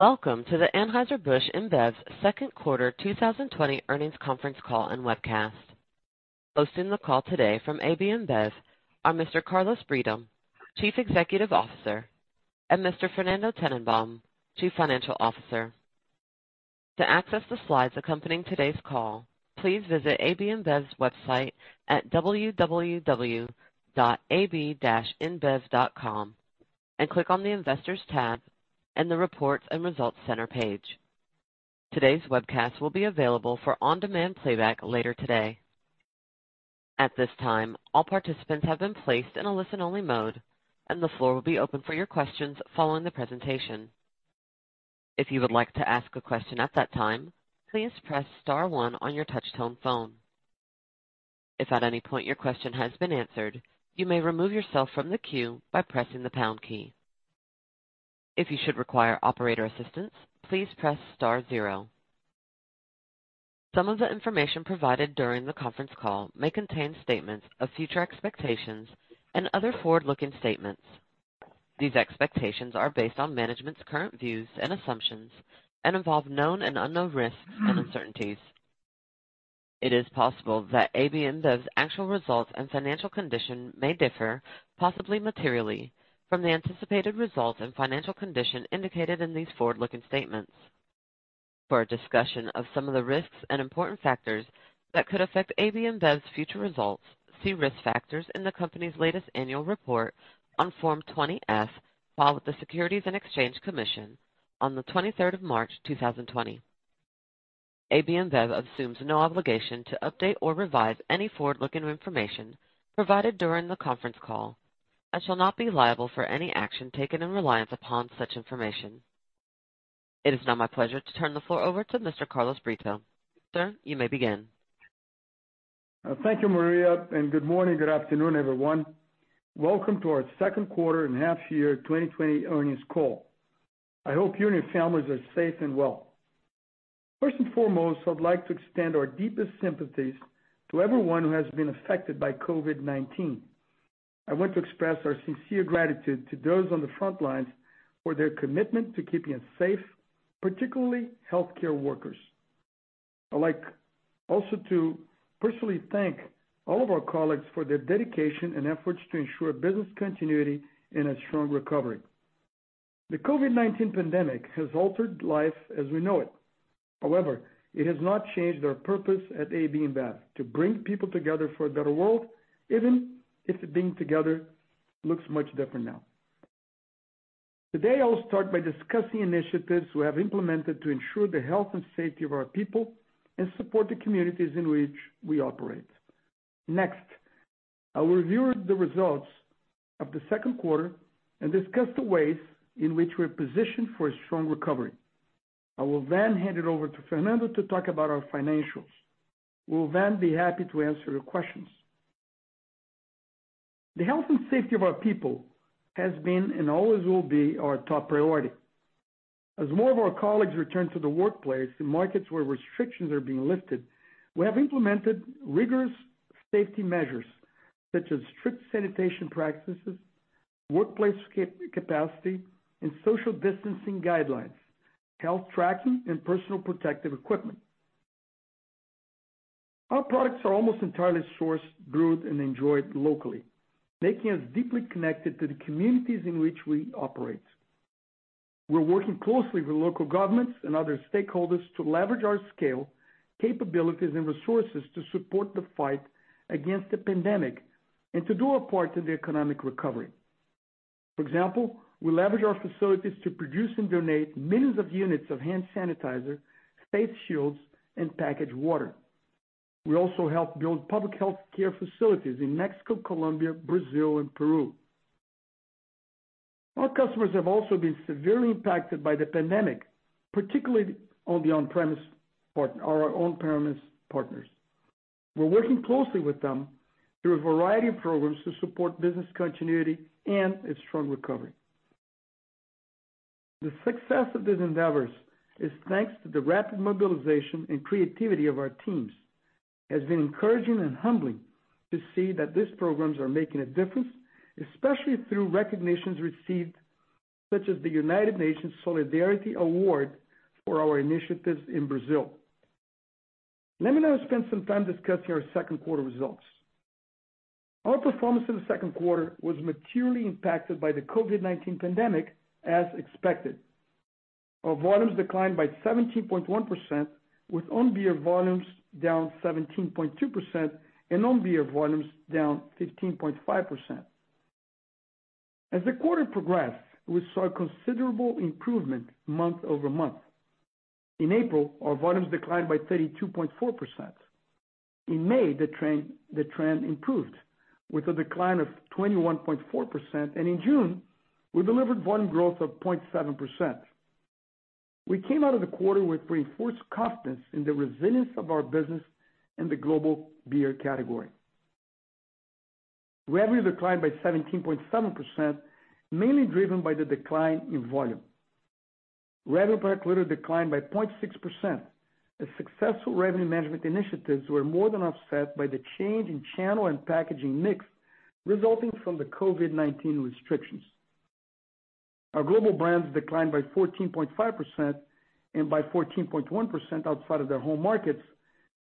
Welcome to the Anheuser-Busch InBev's Q2 2020 earnings conference call and webcast. Hosting the call today from AB InBev are Mr. Carlos Brito, Chief Executive Officer, and Mr. Fernando Tennenbaum, Chief Financial Officer. To access the slides accompanying today's call, please visit AB InBev's website at www.ab-inbev.com and click on the Investors tab and the Reports and Results Center page. Today's webcast will be available for on-demand playback later today. At this time, all participants have been placed in a listen-only mode, and the floor will be open for your questions following the presentation. If you would like to ask a question at that time, please press star one on your touch-tone phone. If at any point your question has been answered, you may remove yourself from the queue by pressing the pound key. If you should require operator assistance, please press star zero. Some of the information provided during the conference call may contain statements of future expectations and other forward-looking statements. These expectations are based on management's current views and assumptions and involve known and unknown risks and uncertainties. It is possible that AB InBev's actual results and financial condition may differ, possibly materially, from the anticipated results and financial condition indicated in these forward-looking statements. For a discussion of some of the risks and important factors that could affect AB InBev's future results, see risk factors in the company's latest annual report on Form 20-F filed with the Securities and Exchange Commission on the 23rd of March 2020. AB InBev assumes no obligation to update or revise any forward-looking information provided during the conference call and shall not be liable for any action taken in reliance upon such information. It is now my pleasure to turn the floor over to Mr. Carlos Brito. Sir, you may begin. Thank you, Maria. Good morning, good afternoon, everyone. Welcome to our Q2 and half year 2020 earnings call. I hope you and your families are safe and well. First and foremost, I would like to extend our deepest sympathies to everyone who has been affected by COVID-19. I want to express our sincere gratitude to those on the front lines for their commitment to keeping us safe, particularly healthcare workers. I'd like also to personally thank all of our colleagues for their dedication and efforts to ensure business continuity and a strong recovery. The COVID-19 pandemic has altered life as we know it. It has not changed our purpose at AB InBev, to bring people together for a better world, even if being together looks much different now. Today, I'll start by discussing initiatives we have implemented to ensure the health and safety of our people and support the communities in which we operate. I'll review the results of the Q2 and discuss the ways in which we're positioned for a strong recovery. I will hand it over to Fernando to talk about our financials. We will be happy to answer your questions. The health and safety of our people has been, and always will be, our top priority. As more of our colleagues return to the workplace in markets where restrictions are being lifted, we have implemented rigorous safety measures such as strict sanitation practices, workplace capacity, and social distancing guidelines, health tracking, and personal protective equipment. Our products are almost entirely sourced, brewed, and enjoyed locally, making us deeply connected to the communities in which we operate. We're working closely with local governments and other stakeholders to leverage our scale, capabilities, and resources to support the fight against the pandemic and to do our part in the economic recovery. For example, we leverage our facilities to produce and donate millions of units of hand sanitizer, face shields, and packaged water. We also help build public healthcare facilities in Mexico, Colombia, Brazil, and Peru. Our customers have also been severely impacted by the pandemic, particularly our on-premise partners. We're working closely with them through a variety of programs to support business continuity and a strong recovery. The success of these endeavors is thanks to the rapid mobilization and creativity of our teams. It has been encouraging and humbling to see that these programs are making a difference, especially through recognitions received, such as the United Nations Solidarity Award for our initiatives in Brazil. Let me now spend some time discussing our Q2 results. Our performance in the Q2 was materially impacted by the COVID-19 pandemic, as expected. Our volumes declined by 17.1%, with own beer volumes down 17.2% and non-beer volumes down 15.5%. As the quarter progressed, we saw considerable improvement month-over-month. In April, our volumes declined by 32.4%. In May, the trend improved, with a decline of 21.4%, and in June, we delivered volume growth of 0.7%. We came out of the quarter with reinforced confidence in the resilience of our business in the global beer category. Revenue declined by 17.7%, mainly driven by the decline in volume. Revenue per hectoliter declined by 0.6%. The successful revenue management initiatives were more than offset by the change in channel and packaging mix resulting from the COVID-19 restrictions. Our global brands declined by 14.5% and by 14.1% outside of their home markets,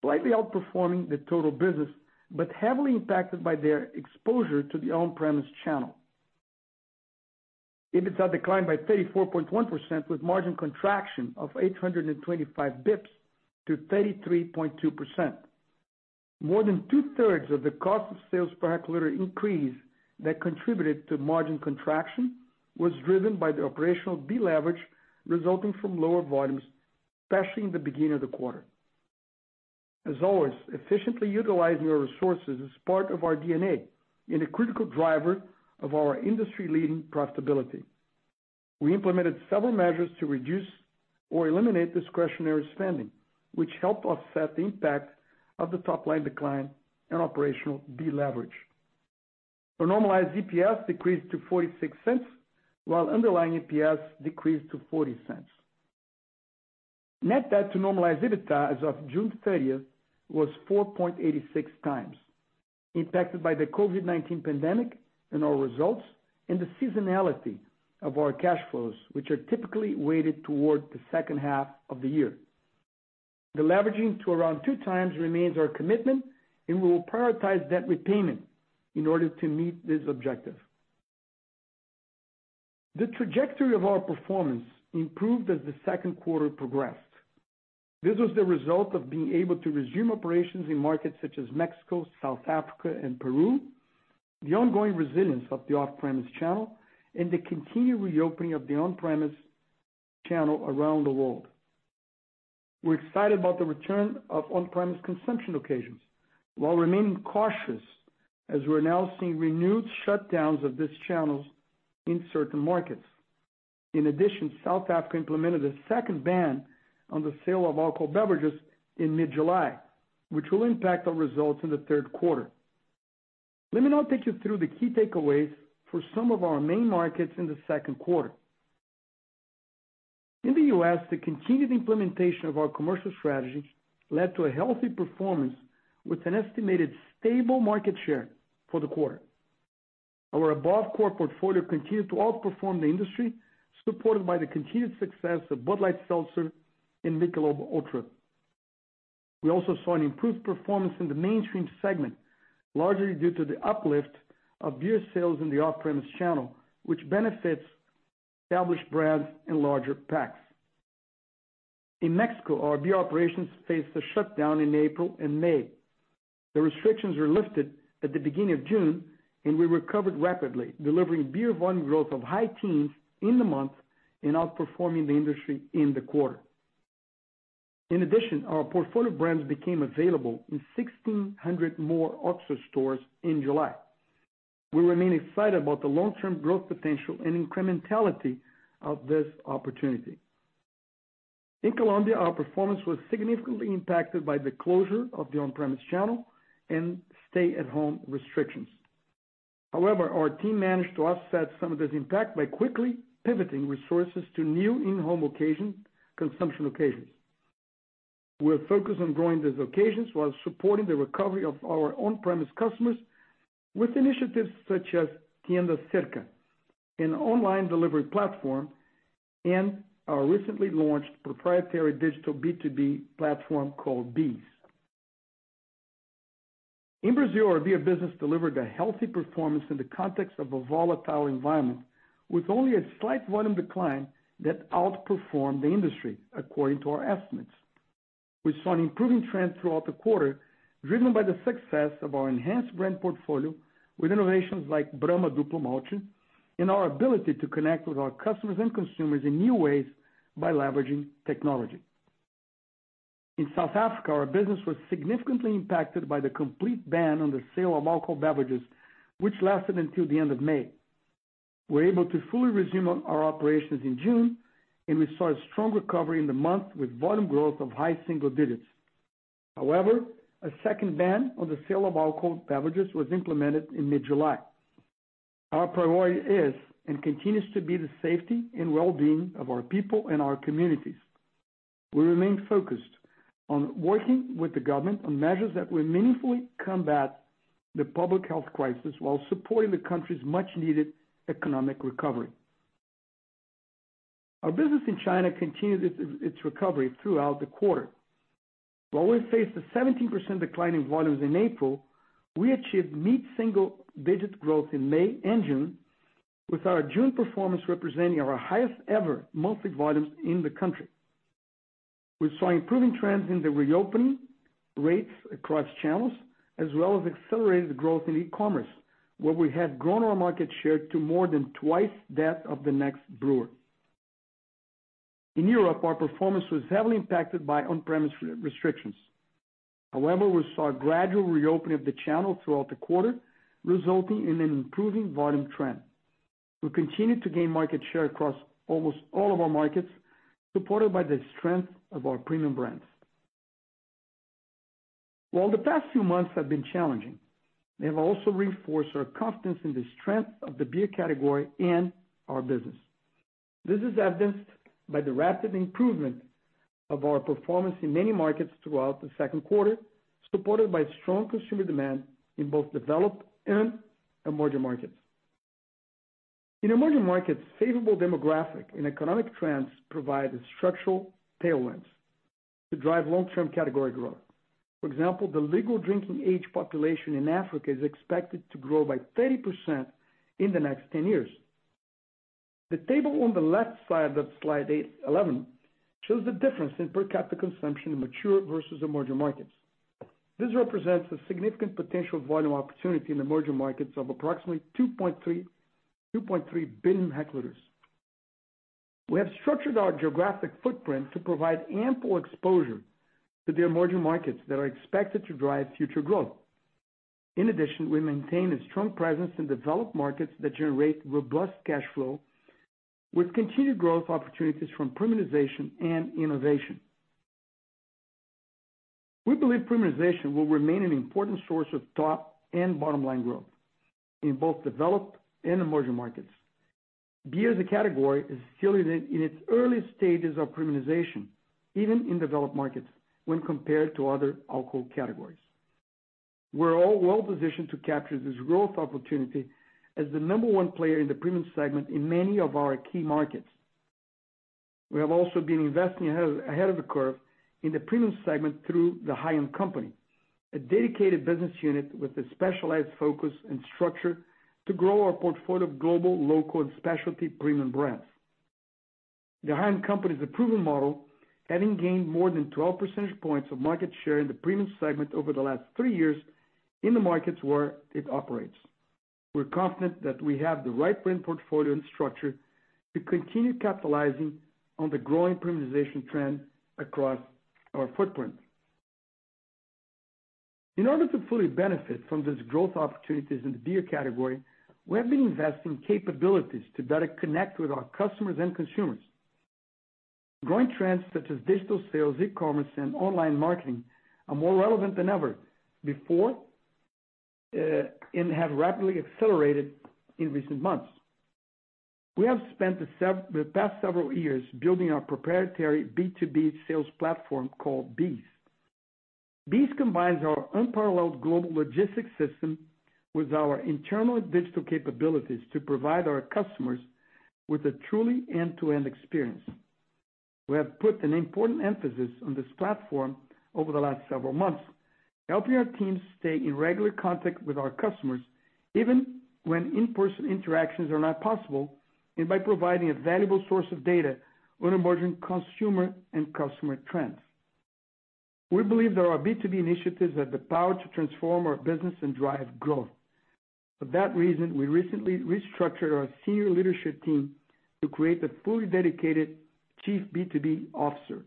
slightly outperforming the total business, but heavily impacted by their exposure to the on-premise channel. EBITDA declined by 34.1% with margin contraction of 825 basis points to 33.2%. More than two-thirds of the cost of sales per hectoliter increase that contributed to margin contraction was driven by the operational deleverage resulting from lower volumes, especially in the beginning of the quarter. As always, efficiently utilizing our resources is part of our DNA and a critical driver of our industry-leading profitability. We implemented several measures to reduce or eliminate discretionary spending, which helped offset the impact of the top line decline and operational deleverage. Our normalized EPS decreased to $0.46 while underlying EPS decreased to $0.40. Net debt to normalized EBITDA as of June 30th was 4.86 times, impacted by the COVID-19 pandemic and our results, and the seasonality of our cash flows, which are typically weighted toward the second half of the year. Deleveraging to around two times remains our commitment, and we will prioritize debt repayment in order to meet this objective. The trajectory of our performance improved as the Q2 progressed. This was the result of being able to resume operations in markets such as Mexico, South Africa, and Peru, the ongoing resilience of the off-premise channel, and the continued reopening of the on-premise channel around the world. We're excited about the return of on-premise consumption occasions, while remaining cautious as we're now seeing renewed shutdowns of this channel in certain markets. In addition, South Africa implemented a second ban on the sale of alcohol beverages in mid-July, which will impact our results in the Q3. Let me now take you through the key takeaways for some of our main markets in the Q2. In the U.S., the continued implementation of our commercial strategies led to a healthy performance with an estimated stable market share for the quarter. Our above core portfolio continued to outperform the industry, supported by the continued success of Bud Light Seltzer and Michelob ULTRA. We also saw an improved performance in the mainstream segment, largely due to the uplift of beer sales in the off-premise channel, which benefits established brands and larger packs. In Mexico, our beer operations faced a shutdown in April and May. The restrictions were lifted at the beginning of June, and we recovered rapidly, delivering beer volume growth of high teens in the month and outperforming the industry in the quarter. In addition, our portfolio brands became available in 1,600 more OXXO stores in July. We remain excited about the long-term growth potential and incrementality of this opportunity. In Colombia, our performance was significantly impacted by the closure of the on-premise channel and stay-at-home restrictions. Our team managed to offset some of this impact by quickly pivoting resources to new in-home consumption occasions. We're focused on growing those occasions while supporting the recovery of our on-premise customers with initiatives such as Tienda Cerca, an online delivery platform, and our recently launched proprietary digital B2B platform called BEES. In Brazil, our beer business delivered a healthy performance in the context of a volatile environment with only a slight volume decline that outperformed the industry, according to our estimates. We saw an improving trend throughout the quarter driven by the success of our enhanced brand portfolio with innovations like Brahma Duplo Malte, and our ability to connect with our customers and consumers in new ways by leveraging technology. In South Africa, our business was significantly impacted by the complete ban on the sale of alcohol beverages, which lasted until the end of May. We were able to fully resume our operations in June, and we saw a strong recovery in the month with volume growth of high single digits. However, a second ban on the sale of alcohol beverages was implemented in mid-July. Our priority is and continues to be the safety and well-being of our people and our communities. We remain focused on working with the government on measures that will meaningfully combat the public health crisis while supporting the country's much-needed economic recovery. Our business in China continued its recovery throughout the quarter. While we faced a 17% decline in volumes in April, we achieved mid-single-digit growth in May and June with our June performance representing our highest ever monthly volumes in the country. We saw improving trends in the reopening rates across channels as well as accelerated growth in e-commerce, where we have grown our market share to more than twice that of the next brewer. In Europe, our performance was heavily impacted by on-premise restrictions. However, we saw a gradual reopening of the channel throughout the quarter, resulting in an improving volume trend. We continued to gain market share across almost all of our markets, supported by the strength of our premium brands. While the past few months have been challenging, they have also reinforced our confidence in the strength of the beer category and our business. This is evidenced by the rapid improvement of our performance in many markets throughout the Q2, supported by strong consumer demand in both developed and emerging markets. In emerging markets, favorable demographic and economic trends provide structural tailwinds to drive long-term category growth. For example, the legal drinking age population in Africa is expected to grow by 30% in the next 10 years. The table on the left side of slide 11 shows the difference in per capita consumption in mature versus emerging markets. This represents a significant potential volume opportunity in emerging markets of approximately 2.3 billion hectolitres. We have structured our geographic footprint to provide ample exposure to the emerging markets that are expected to drive future growth. In addition, we maintain a strong presence in developed markets that generate robust cash flow, with continued growth opportunities from premiumization and innovation. We believe premiumization will remain an important source of top and bottom-line growth in both developed and emerging markets. Beer as a category is still in its early stages of premiumization, even in developed markets, when compared to other alcohol categories. We're well positioned to capture this growth opportunity as the number one player in the premium segment in many of our key markets. We have also been investing ahead of the curve in the premium segment through the High End Company, a dedicated business unit with a specialized focus and structure to grow our portfolio of global, local, and specialty premium brands. The High End Company's a proven model, having gained more than 12 percentage points of market share in the premium segment over the last three years in the markets where it operates. We're confident that we have the right brand portfolio and structure to continue capitalizing on the growing premiumization trend across our footprint. In order to fully benefit from these growth opportunities in the beer category, we have been investing capabilities to better connect with our customers and consumers. Growing trends such as digital sales, e-commerce, and online marketing are more relevant than ever before, and have rapidly accelerated in recent months. We have spent the past several years building our proprietary B2B sales platform called BEES. BEES combines our unparalleled global logistics system with our internal digital capabilities to provide our customers with a truly end-to-end experience. We have put an important emphasis on this platform over the last several months, helping our teams stay in regular contact with our customers, even when in-person interactions are not possible, and by providing a valuable source of data on emerging consumer and customer trends. We believe there are B2B initiatives that have the power to transform our business and drive growth. For that reason, we recently restructured our senior leadership team to create a fully dedicated chief B2B officer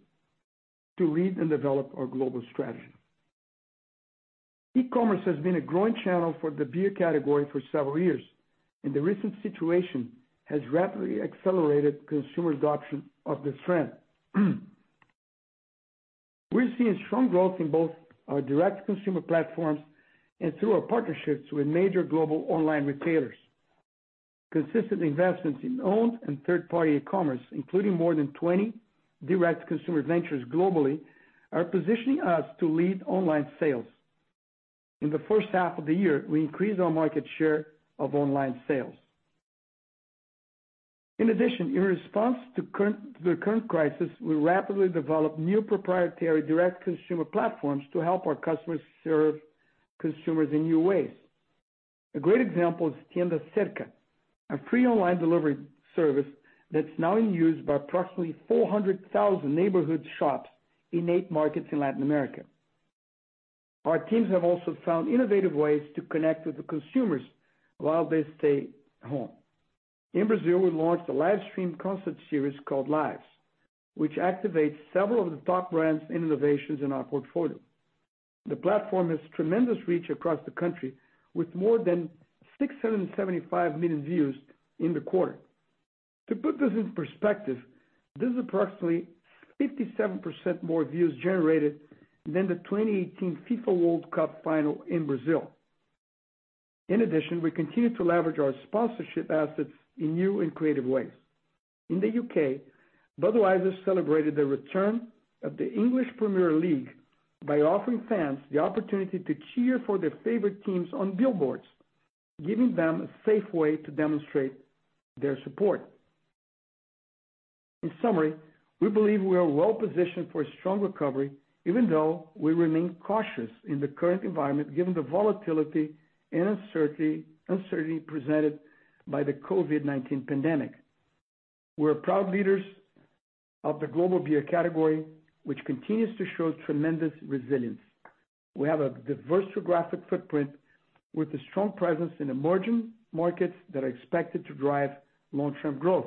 to lead and develop our global strategy. E-commerce has been a growing channel for the beer category for several years, and the recent situation has rapidly accelerated consumer adoption of this trend. We're seeing strong growth in both our direct consumer platforms and through our partnerships with major global online retailers. Consistent investments in owned and third-party e-commerce, including more than 20 direct consumer ventures globally, are positioning us to lead online sales. In the first half of the year, we increased our market share of online sales. In addition, in response to the current crisis, we rapidly developed new proprietary direct consumer platforms to help our customers serve consumers in new ways. A great example is Tienda Cerca, a free online delivery service that's now in use by approximately 400,000 neighborhood shops in eight markets in Latin America. Our teams have also found innovative ways to connect with the consumers while they stay home. In Brazil, we launched a live stream concert series called Lives, which activates several of the top brands and innovations in our portfolio. The platform has tremendous reach across the country, with more than 675 million views in the quarter. To put this in perspective, this is approximately 57% more views generated than the 2018 FIFA World Cup final in Brazil. We continue to leverage our sponsorship assets in new and creative ways. In the U.K., Budweiser celebrated the return of the English Premier League by offering fans the opportunity to cheer for their favorite teams on billboards, giving them a safe way to demonstrate their support. We believe we are well-positioned for a strong recovery, even though we remain cautious in the current environment given the volatility and uncertainty presented by the COVID-19 pandemic. We're proud leaders of the global beer category, which continues to show tremendous resilience. We have a diverse geographic footprint with a strong presence in emerging markets that are expected to drive long-term growth.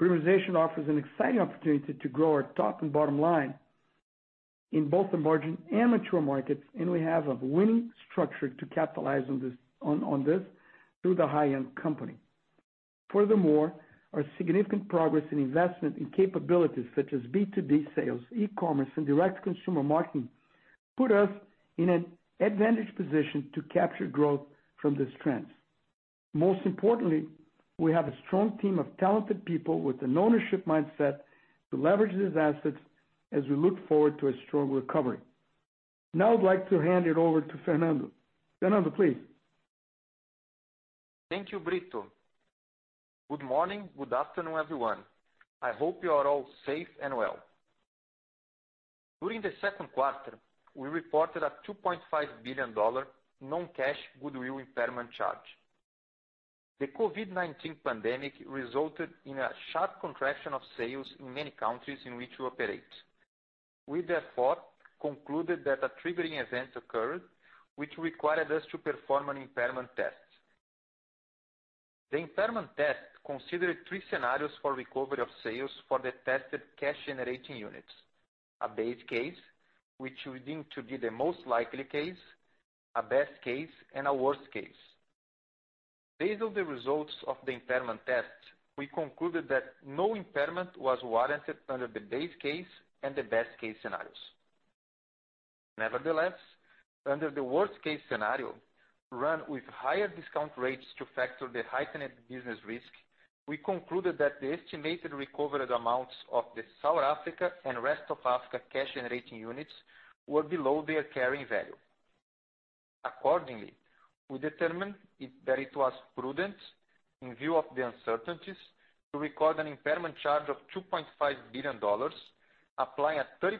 Premiumization offers an exciting opportunity to grow our top and bottom line in both emerging and mature markets, and we have a winning structure to capitalize on this through the High End Company. Furthermore, our significant progress and investment in capabilities such as B2B sales, e-commerce, and direct consumer marketing. Put us in an advantageous position to capture growth from these trends. Most importantly, we have a strong team of talented people with an ownership mindset to leverage these assets as we look forward to a strong recovery. Now I'd like to hand it over to Fernando. Fernando, please. Thank you, Brito. Good morning, good afternoon, everyone. I hope you are all safe and well. During the Q2, we reported a $2.5 billion non-cash goodwill impairment charge. The COVID-19 pandemic resulted in a sharp contraction of sales in many countries in which we operate. We, therefore, concluded that a triggering event occurred, which required us to perform an impairment test. The impairment test considered three scenarios for recovery of sales for the tested cash-generating units. A base case, which we deemed to be the most likely case, a best case, and a worst case. Based on the results of the impairment test, we concluded that no impairment was warranted under the base case and the best-case scenarios. Under the worst case scenario, run with higher discount rates to factor the heightened business risk, we concluded that the estimated recovered amounts of the South Africa and rest of Africa cash-generating units were below their carrying value. Accordingly, we determined that it was prudent in view of the uncertainties to record an impairment charge of $2.5 billion, applying a 30%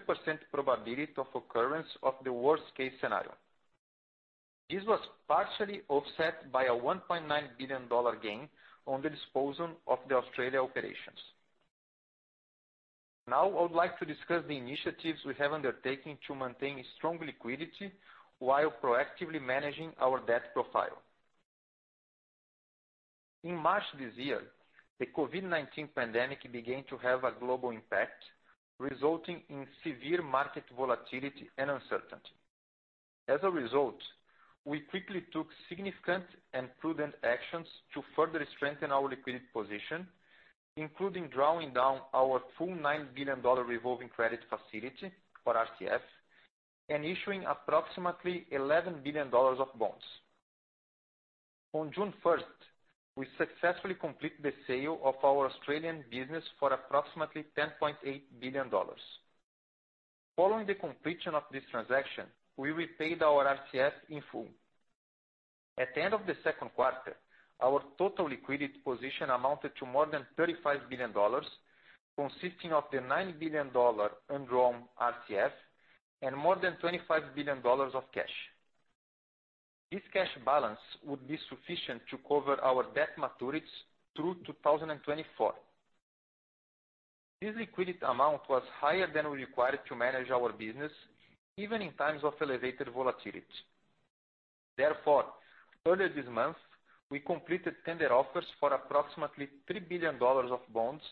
probability of occurrence of the worst-case scenario. This was partially offset by a $1.9 billion gain on the disposal of the Australia operations. Now I would like to discuss the initiatives we have undertaken to maintain strong liquidity while proactively managing our debt profile. In March this year, the COVID-19 pandemic began to have a global impact, resulting in severe market volatility and uncertainty. As a result, we quickly took significant and prudent actions to further strengthen our liquidity position, including drawing down our full $9 billion revolving credit facility or RCF and issuing approximately $11 billion of bonds. On June 1st, we successfully completed the sale of our Australian business for approximately $10.8 billion. Following the completion of this transaction, we repaid our RCF in full. At the end of the Q2, our total liquidity position amounted to more than $35 billion, consisting of the $9 billion undrawn RCF and more than $25 billion of cash. This cash balance would be sufficient to cover our debt maturities through 2024. This liquidity amount was higher than we required to manage our business, even in times of elevated volatility. Earlier this month, we completed tender offers for approximately $3 billion of bonds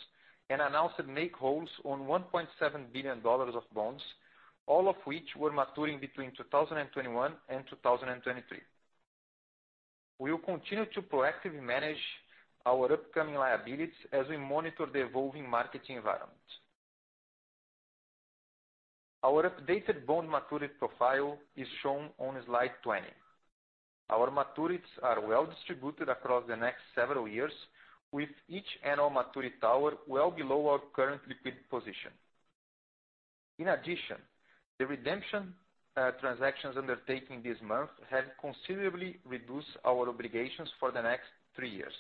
and announced make whole on $1.7 billion of bonds, all of which were maturing between 2021 and 2023. We will continue to proactively manage our upcoming liabilities as we monitor the evolving market environment. Our updated bond maturity profile is shown on slide 20. Our maturities are well distributed across the next several years, with each annual maturity tower well below our current liquidity position. The redemption transactions undertaking this month have considerably reduced our obligations for the next three years.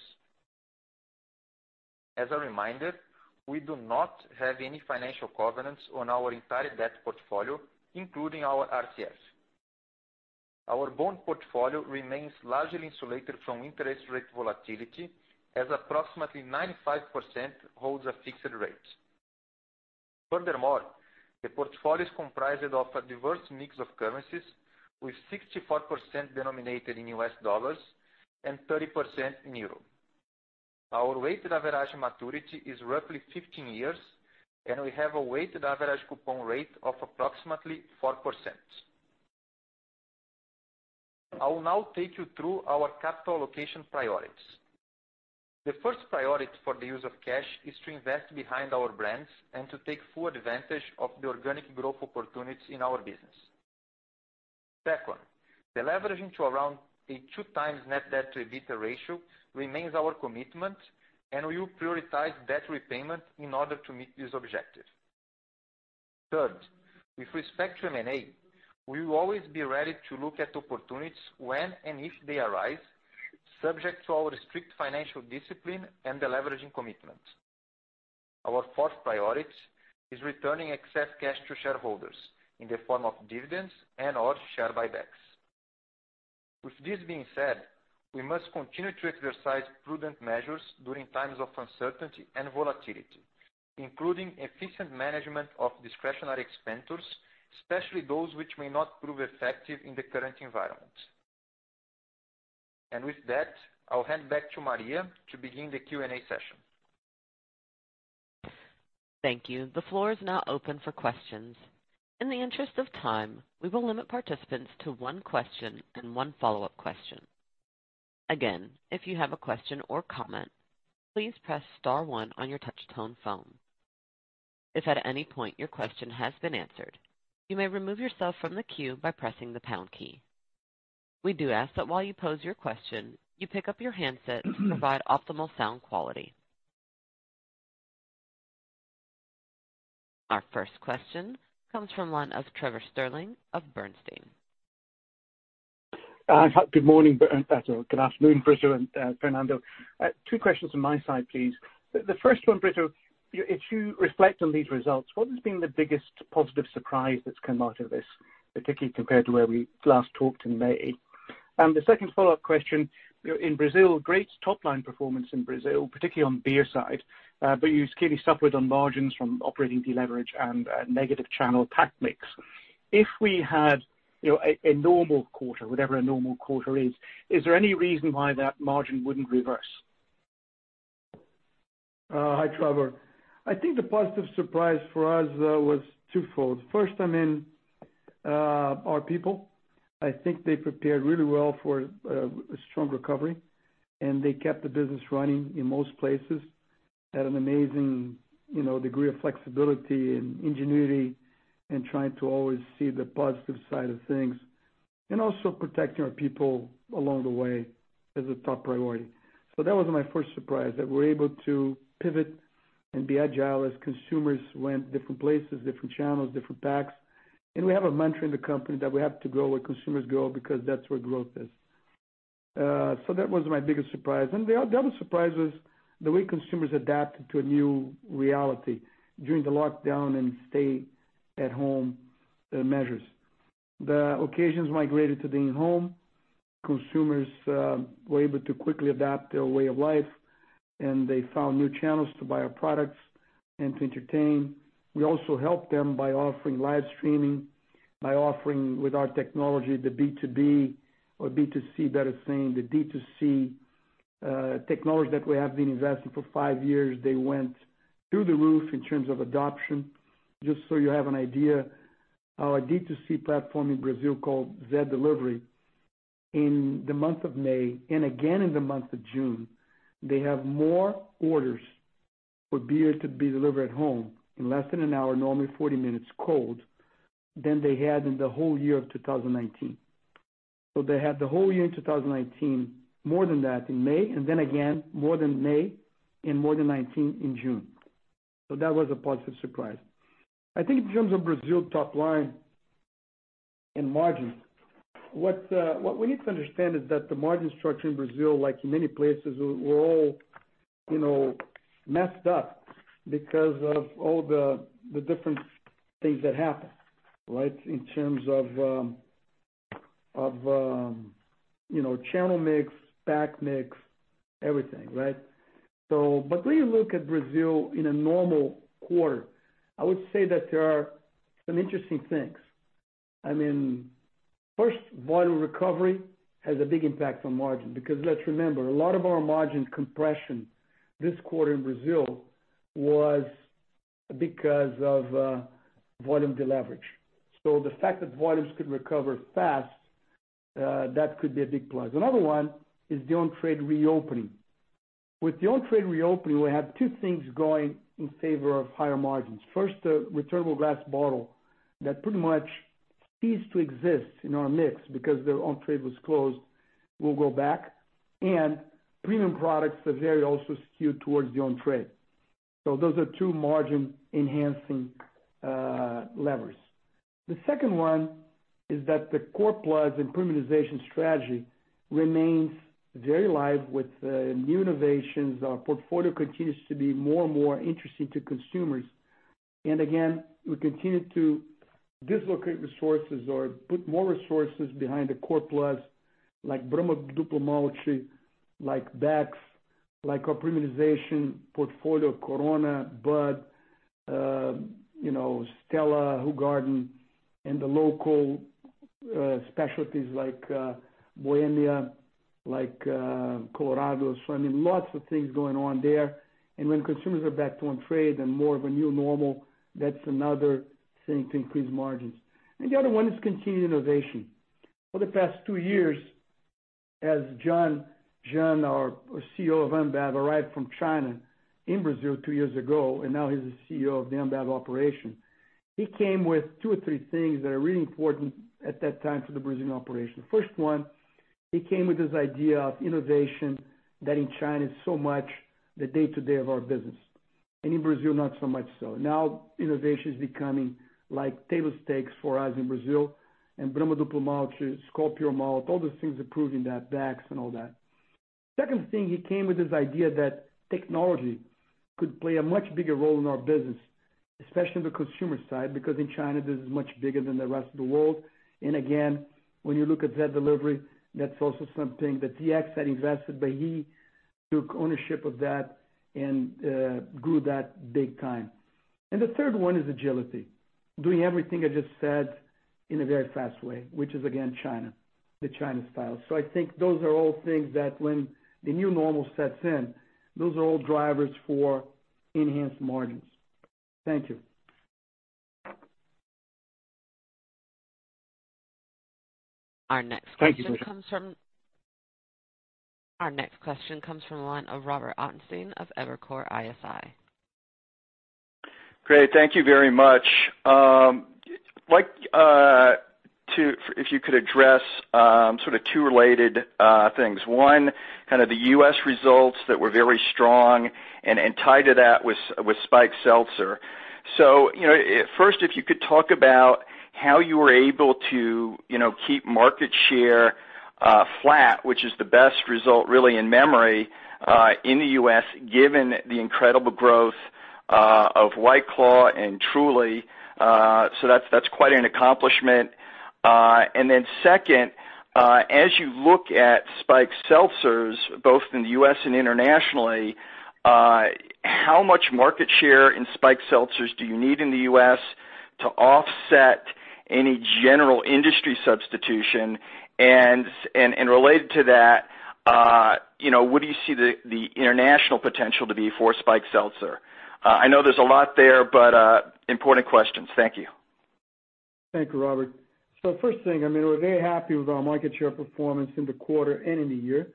We do not have any financial covenants on our entire debt portfolio, including our RCF. Our bond portfolio remains largely insulated from interest rate volatility as approximately 95% holds a fixed rate. Furthermore, the portfolio is comprised of a diverse mix of currencies, with 64% denominated in U.S. dollars and 30% in EUR. Our weighted average maturity is roughly 15 years, and we have a weighted average coupon rate of approximately 4%. I will now take you through our capital allocation priorities. The first priority for the use of cash is to invest behind our brands and to take full advantage of the organic growth opportunities in our business. Second, deleveraging to around a 2x net debt to EBITDA ratio remains our commitment, and we will prioritize debt repayment in order to meet this objective. Third, with respect to M&A, we will always be ready to look at opportunities when and if they arise, subject to our strict financial discipline and deleveraging commitment. Our fourth priority is returning excess cash to shareholders in the form of dividends and/or share buybacks. With this being said, we must continue to exercise prudent measures during times of uncertainty and volatility, including efficient management of discretionary expenditures, especially those which may not prove effective in the current environment. With that, I'll hand back to Maria to begin the Q&A session. Thank you. The floor is now open for questions. In the interest of time, we will limit participants to one question and one follow-up question. Again, if you have a question or comment, please press star one on your touch-tone phone. If at any point your question has been answered, you may remove yourself from the queue by pressing the pound key. We do ask that while you pose your question, you pick up your handset to provide optimal sound quality. Our first question comes from one of Trevor Stirling of. Hi. Good morning. Good afternoon, Brito and Fernando. Two questions from my side, please. The first one, Brito, if you reflect on these results, what has been the biggest positive surprise that's come out of this, particularly compared to where we last talked in May? The second follow-up question, in Brazil, great top-line performance in Brazil, particularly on beer side, but you clearly suffered on margins from operating deleverage and negative channel pack mix. If we had a normal quarter, whatever a normal quarter is there any reason why that margin wouldn't reverse? Hi, Trevor. I think the positive surprise for us was twofold. First, our people. I think they prepared really well for a strong recovery, and they kept the business running in most places, had an amazing degree of flexibility and ingenuity and trying to always see the positive side of things. Also protecting our people along the way as a top priority. That was my first surprise, that we're able to pivot and be agile as consumers went different places, different channels, different packs. We have a mantra in the company that we have to go where consumers go because that's where growth is. That was my biggest surprise. The other surprise was the way consumers adapted to a new reality during the lockdown and stay-at-home measures. The occasions migrated to being home. Consumers were able to quickly adapt their way of life, they found new channels to buy our products and to entertain. We also helped them by offering live streaming, by offering with our technology, the B2B or B2C, better saying, the D2C technology that we have been investing for five years. They went through the roof in terms of adoption. You have an idea, our D2C platform in Brazil called Zé Delivery, in the month of May and again in the month of June, they have more orders for beer to be delivered at home in less than an hour, normally 40 minutes cold, than they had in the whole year of 2019. They had the whole year in 2019, more than that in May, again more than May and more than 2019 in June. That was a positive surprise. I think in terms of Brazil top line and margins, what we need to understand is that the margin structure in Brazil, like in many places, were all messed up because of all the different things that happened, right, in terms of channel mix, pack mix, everything, right? When you look at Brazil in a normal quarter, I would say that there are some interesting things. First, volume recovery has a big impact on margin because let's remember, a lot of our margin compression this quarter in Brazil was because of volume deleverage. The fact that volumes could recover fast, that could be a big plus. Another one is the on-trade reopening. With the on-trade reopening, we have two things going in favor of higher margins. First, the returnable glass bottle that pretty much ceased to exist in our mix because their on-trade was closed will go back, and premium products that very also skewed towards the on-trade. Those are two margin-enhancing levers. The second one is that the core plus and premiumization strategy remains very live with new innovations. Our portfolio continues to be more and more interesting to consumers. Again, we continue to dislocate resources or put more resources behind the core plus, like Brahma Duplo Malte, like Beck's, like our premiumization portfolio, Corona, Bud, Stella, Hoegaarden, and the local specialties like Bohemia, like Colorado. I mean, lots of things going on there. When consumers are back to on-trade and more of a new normal, that's another thing to increase margins. The other one is continued innovation. For the past two years, as Jean, our CEO of Ambev, arrived from China in Brazil two years ago, and now he's the CEO of the Ambev operation. He came with two or three things that are really important at that time for the Brazilian operation. First one, he came with this idea of innovation that in China is so much the day-to-day of our business, in Brazil, not so much so. Now innovation is becoming like table stakes for us in Brazil and Brahma Duplo Malte, Skol Puro Malte, all these things approved in that Bax and all that. Second thing, he came with this idea that technology could play a much bigger role in our business, especially on the consumer side, because in China, this is much bigger than the rest of the world. Again, when you look at Zé Delivery, that's also something that ZX had invested, but he took ownership of that and grew that big time. The third one is agility, doing everything I just said in a very fast way, which is again, China, the China style. I think those are all things that when the new normal sets in, those are all drivers for enhanced margins. Thank you. Our next question comes from. Thank you, Peter. Our next question comes from the line of Robert Ottenstein of Evercore ISI. Great. Thank you very much. If you could address sort of two related things. One, kind of the U.S. results that were very strong and tied to that with spiked seltzer. First, if you could talk about how you were able to keep market share flat, which is the best result really in memory, in the U.S., given the incredible growth of White Claw and Truly. That's quite an accomplishment. Second, as you look at spiked seltzers, both in the U.S. and internationally, how much market share in spiked seltzers do you need in the U.S. to offset any general industry substitution? Related to that, what do you see the international potential to be for spiked seltzer? I know there's a lot there, important questions. Thank you. Thank you, Robert. First thing, we're very happy with our market share performance in the quarter and in the year.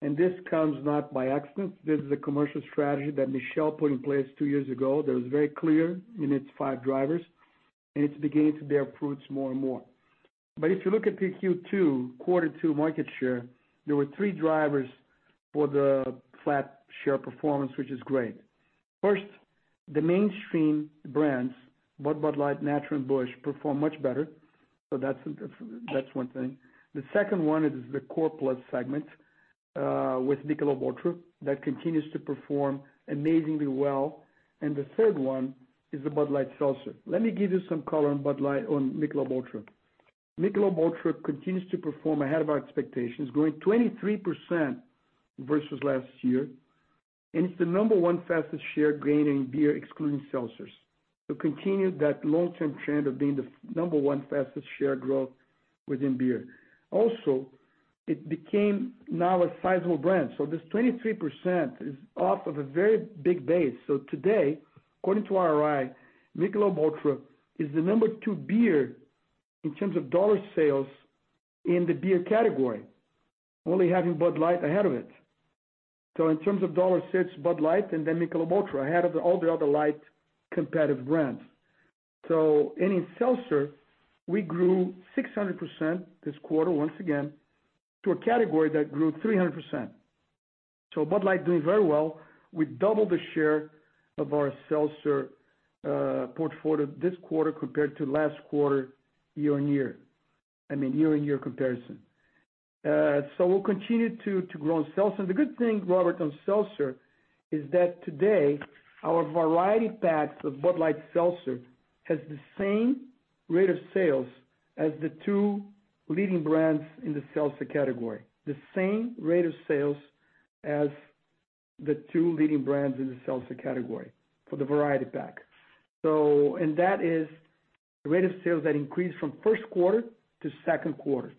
This comes not by accident. This is a commercial strategy that Michel put in place two years ago that was very clear in its five drivers, and it's beginning to bear fruits more and more. If you look at the Q2, quarter two market share, there were three drivers for the flat share performance, which is great. First, the mainstream brands, Bud Light, Natural and Busch, perform much better. That's one thing. The second one is the core plus segment, with Michelob ULTRA, that continues to perform amazingly well. The third one is the Bud Light Seltzer. Let me give you some color on Michelob ULTRA. Michelob ULTRA continues to perform ahead of our expectations, growing 23% versus last year. It's the number 1 fastest share gain in beer excluding seltzers. Continue that long-term trend of being the number 1 fastest share growth within beer. Also, it became now a sizable brand. This 23% is off of a very big base. Today, according to IRI, Michelob ULTRA is the number 2 beer in terms of dollar sales in the beer category, only having Bud Light ahead of it. In terms of dollar sales, Bud Light and then Michelob ULTRA ahead of all the other light competitive brands. In seltzer, we grew 600% this quarter, once again, to a category that grew 300%. Bud Light doing very well. We doubled the share of our seltzer portfolio this quarter compared to last quarter year-on-year. I mean, year-on-year comparison. We'll continue to grow in seltzer. The good thing, Robert, on seltzer, is that today our variety packs of Bud Light Seltzer has the same rate of sales as the two leading brands in the seltzer category. The same rate of sales as the two leading brands in the seltzer category for the variety pack. That is the rate of sales that increased from Q1 to Q2.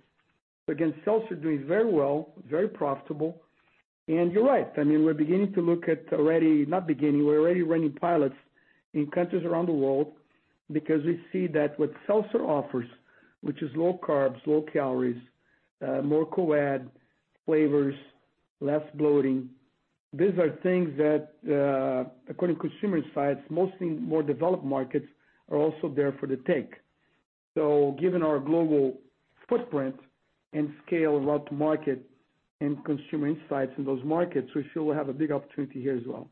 Again, seltzer doing very well, very profitable. You're right, we're beginning to look at already, not beginning, we're already running pilots in countries around the world because we see that what seltzer offers, which is low carbs, low calories, more co-add flavors, less bloating. These are things that, according to consumer insights, mostly more developed markets are also there for the take. Given our global footprint and scale of route to market and consumer insights in those markets, we feel we have a big opportunity here as well.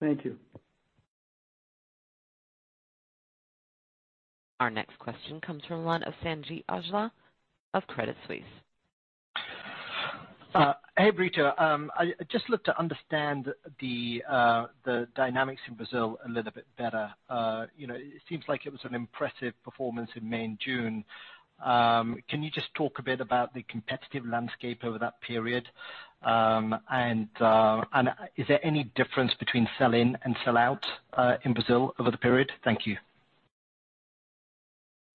Thank you. Our next question comes from the line of Sanjeet Aujla of Credit Suisse. Hey, Brito. I'd just love to understand the dynamics in Brazil a little bit better. It seems like it was an impressive performance in May and June. Can you just talk a bit about the competitive landscape over that period? Is there any difference between sell-in and sell-out in Brazil over the period? Thank you.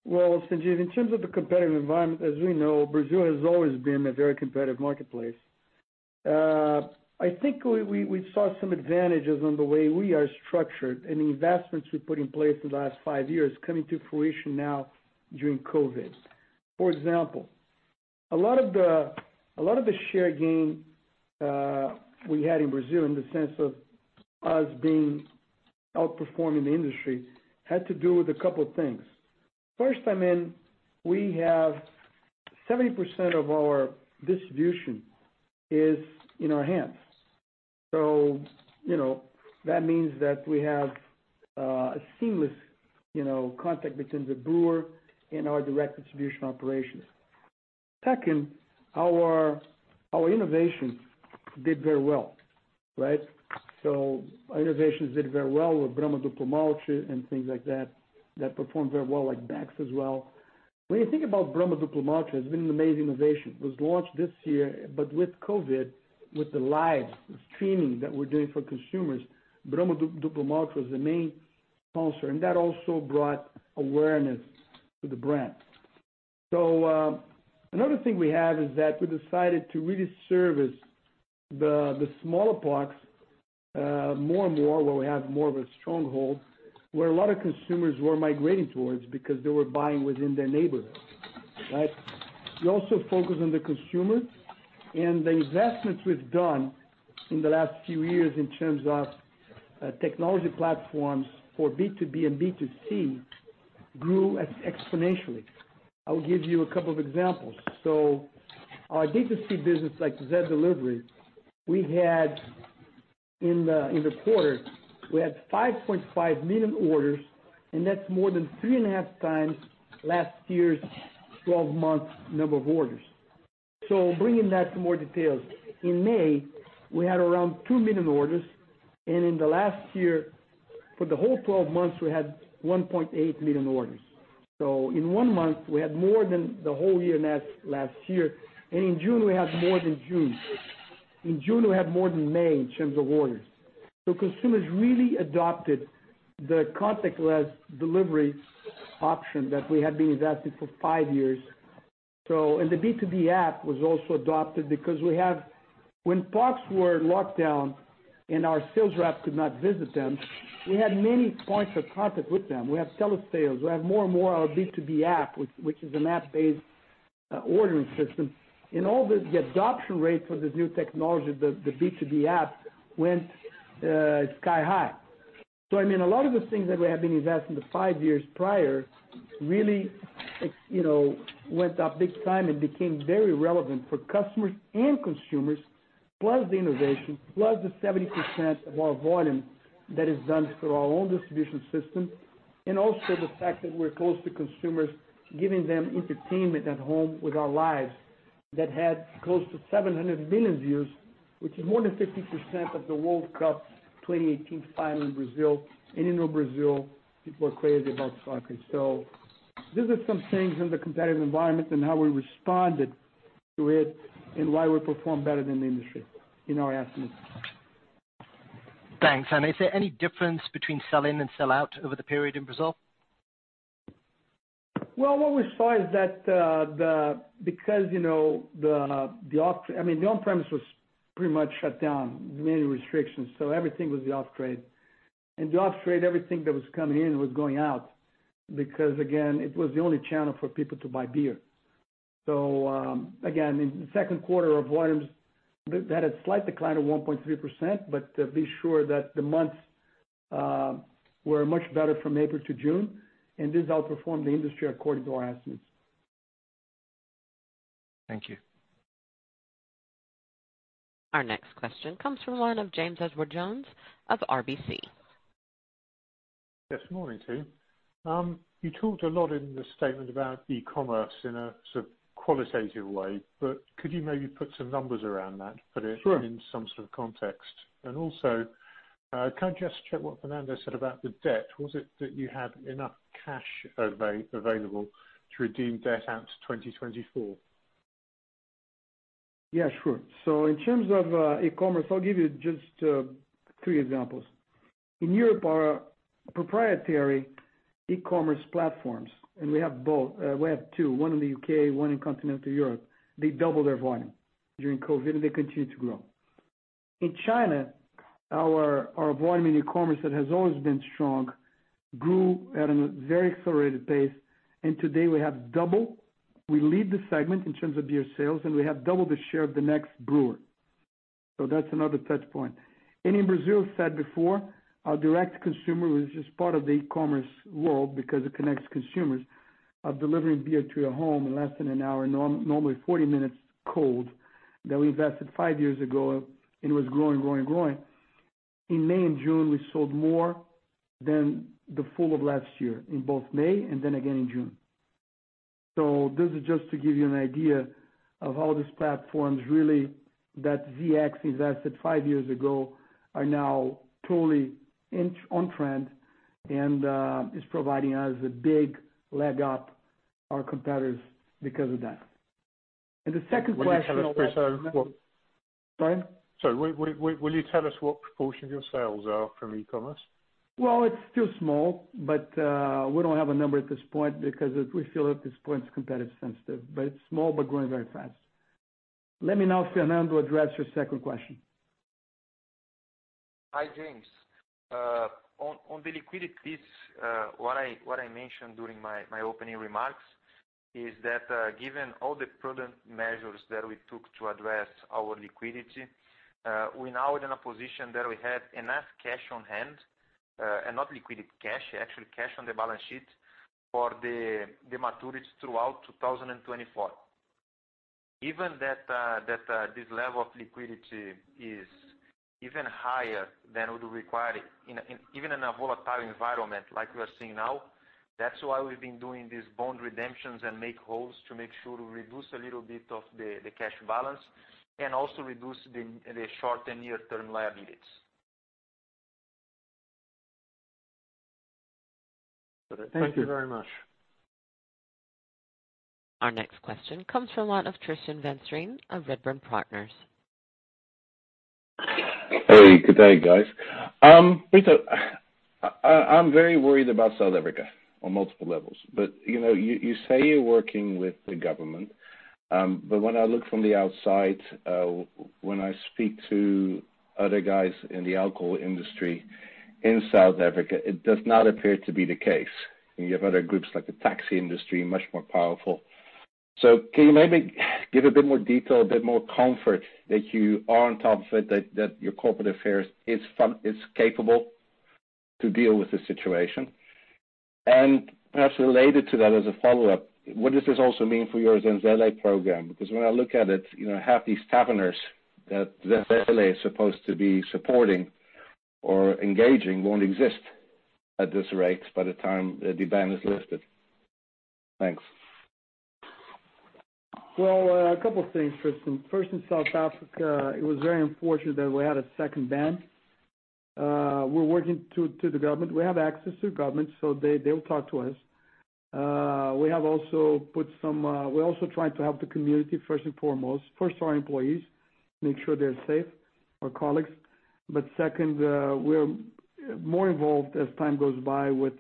Sanjeet, in terms of the competitive environment, as we know, Brazil has always been a very competitive marketplace. I think we saw some advantages on the way we are structured and the investments we put in place for the last five years coming to fruition now during COVID-19. For example, a lot of the share gain we had in Brazil in the sense of us outperforming the industry, had to do with a couple of things. First, we have 70% of our distribution is in our hands. That means that we have a seamless contact between the brewer and our direct distribution operations. Second, our innovation did very well, right? Our innovations did very well with Brahma Duplo Malte and things like that performed very well, like Beck's as well. When you think about Brahma Duplo Malte, it's been an amazing innovation. It was launched this year, but with COVID, with the live streaming that we're doing for consumers, Brahma Duplo Malte was the main sponsor, and that also brought awareness to the brand. Another thing we have is that we decided to really service the smaller packs more and more where we have more of a stronghold, where a lot of consumers were migrating towards because they were buying within their neighborhood. Right? We also focus on the consumer, and the investments we've done in the last few years in terms of technology platforms for B2B and B2C grew exponentially. I'll give you a couple of examples. Our B2C business, like Zé Delivery, we had in the quarter, we had 5.5 million orders, and that's more than three and a half times last year's 12 months number of orders. Bringing that to more details. In May, we had around 2 million orders, and in the last year, for the whole 12 months, we had 1.8 million orders. In 1 month, we had more than the whole year last year. In June, we had more than June. In June, we had more than May in terms of orders. Consumers really adopted the contactless delivery option that we had been investing for five years. The B2B app was also adopted because when parks were locked down and our sales reps could not visit them, we had many points of contact with them. We have telesales. We have more and more our B2B app, which is an app-based ordering system. All the adoption rate for this new technology, the B2B app, went sky high. I mean, a lot of the things that we have been investing the five years prior really went up big time and became very relevant for customers and consumers, plus the innovation, plus the 70% of our volume that is done through our own distribution system, and also the fact that we're close to consumers, giving them entertainment at home with our Lives that had close to 700 million views, which is more than 50% of the World Cup 2018 final in Brazil. In Brazil, people are crazy about soccer. These are some things in the competitive environment and how we responded to it and why we performed better than the industry in our estimates. Thanks. Is there any difference between sell-in and sell-out over the period in Brazil? Well, what we saw is that because the on-premise was pretty much shut down, many restrictions, so everything was the off-trade. The off-trade, everything that was coming in was going out because, again, it was the only channel for people to buy beer. Again, in the Q2 of volumes, they had a slight decline of 1.3%, but be sure that the months were much better from April to June, and this outperformed the industry according to our estimates. Thank you. Our next question comes from the line of James Edwardes Jones of RBC. Yes, good morning to you. You talked a lot in the statement about e-commerce in a sort of qualitative way, but could you maybe put some numbers around that? Sure put it in some sort of context? Also, can I just check what Fernando said about the debt? Was it that you had enough cash available to redeem debt out to 2024? Yeah, sure. In terms of e-commerce, I'll give you just three examples. In Europe, our proprietary e-commerce platforms, we have two, one in the U.K., one in continental Europe. They doubled their volume during COVID-19, they continue to grow. In China, our volume in e-commerce that has always been strong grew at a very accelerated pace, today we have double. We lead the segment in terms of beer sales, we have double the share of the next brewer. That's another touch point. In Brazil, as said before, our direct-to-consumer, which is part of the e-commerce world because it connects consumers, are delivering beer to your home in less than an hour, normally 40 minutes, cold, that we invested five years ago, it was growing. In May and June, we sold more than the full of last year, in both May and then again in June. This is just to give you an idea of how these platforms, really, that ZX invested five years ago are now totally on trend, and is providing us a big leg up our competitors because of that. The second question. Will you tell us, Brito? Pardon? Sorry. Will you tell us what proportion of your sales are from e-commerce? It's still small, but we don't have a number at this point because we feel at this point it's competitive sensitive. It's small, but growing very fast. Let me now, Fernando, address your second question. Hi, James. On the liquidity piece, what I mentioned during my opening remarks is that given all the prudent measures that we took to address our liquidity, we're now in a position that we have enough cash on hand, and not liquidity cash, actual cash on the balance sheet, for the maturities throughout 2024. Even that this level of liquidity is even higher than would require it, even in a volatile environment like we are seeing now. That's why we've been doing these bond redemptions and make wholes to make sure to reduce a little bit of the cash balance and also reduce the short and near-term liabilities. Thank you. Thank you very much. Our next question comes from the line of Tristan van Strien of Redburn Partners. Hey, good day, guys. Brito, I'm very worried about South Africa on multiple levels. You say you're working with the government, but when I look from the outside, when I speak to other guys in the alcohol industry in South Africa, it does not appear to be the case. You have other groups like the taxi industry, much more powerful. Can you maybe give a bit more detail, a bit more comfort that you are on top of it, that your corporate affairs is capable to deal with the situation? Perhaps related to that as a follow-up, what does this also mean for your Zenzele program? When I look at it, half these taverners that Zenzele is supposed to be supporting or engaging won't exist at this rate by the time the ban is lifted. Thanks. Well, a couple things, Tristan. In South Africa, it was very unfortunate that we had a second ban. We're working to the government. We have access to government, so they'll talk to us. We're also trying to help the community first and foremost. Our employees, make sure they're safe, our colleagues. Second, we're more involved as time goes by with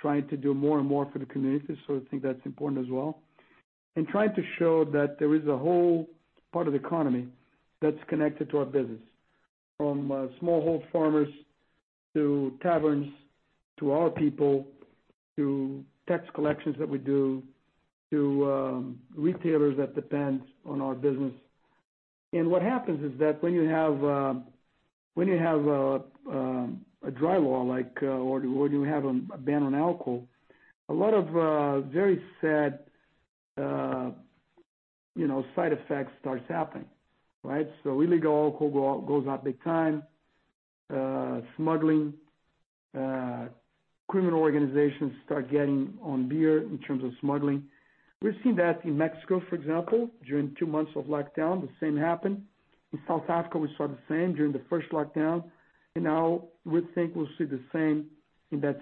trying to do more and more for the community. I think that's important as well. Trying to show that there is a whole part of the economy that's connected to our business, from smallhold farmers to taverns, to our people, to tax collections that we do, to retailers that depend on our business. What happens is that when you have a dry law, or when you have a ban on alcohol, a lot of very sad side effects start happening. Right? Illegal alcohol goes up big time. Smuggling, criminal organizations start getting on beer in terms of smuggling. We've seen that in Mexico, for example, during two months of lockdown, the same happened. In South Africa, we saw the same during the first lockdown, and now we think we'll see the same in the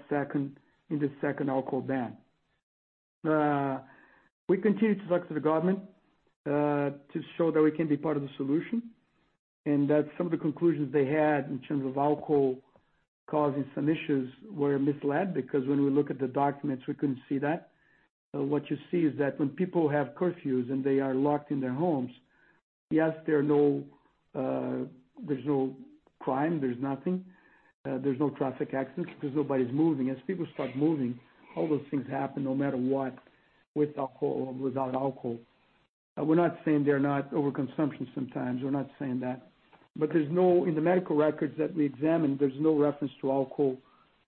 second alcohol ban. We continue to talk to the government to show that we can be part of the solution, and that some of the conclusions they had in terms of alcohol causing some issues were misled, because when we look at the documents, we couldn't see that. What you see is that when people have curfews and they are locked in their homes, yes, there's no crime, there's nothing, there's no traffic accidents because nobody's moving. As people start moving, all those things happen no matter what, with alcohol or without alcohol. We're not saying they're not overconsumption sometimes. We're not saying that. In the medical records that we examined, there's no reference to alcohol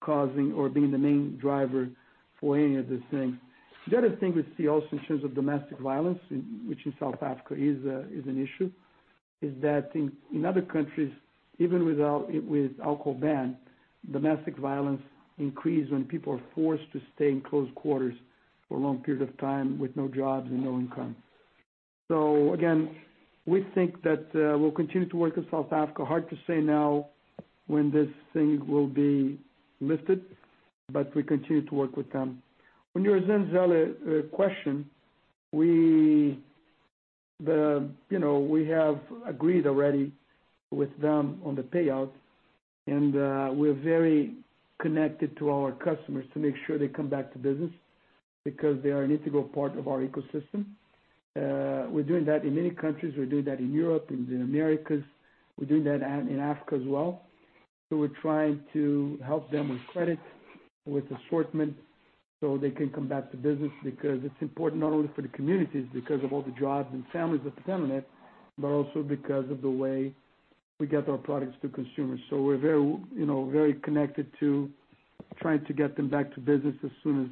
causing or being the main driver for any of these things. The other thing we see also in terms of domestic violence, which in South Africa is an issue, is that in other countries, even with alcohol ban, domestic violence increase when people are forced to stay in close quarters for a long period of time with no jobs and no income. Again, we think that we'll continue to work in South Africa. Hard to say now when this thing will be lifted, but we continue to work with them. On your Zenzele question, we have agreed already with them on the payout, and we're very connected to our customers to make sure they come back to business because they are an integral part of our ecosystem. We're doing that in many countries. We're doing that in Europe, in the Americas. We're doing that in Africa as well. We're trying to help them with credit, with assortment, so they can come back to business because it's important not only for the communities because of all the jobs and families that depend on it, but also because of the way we get our products to consumers. We're very connected to trying to get them back to business as soon as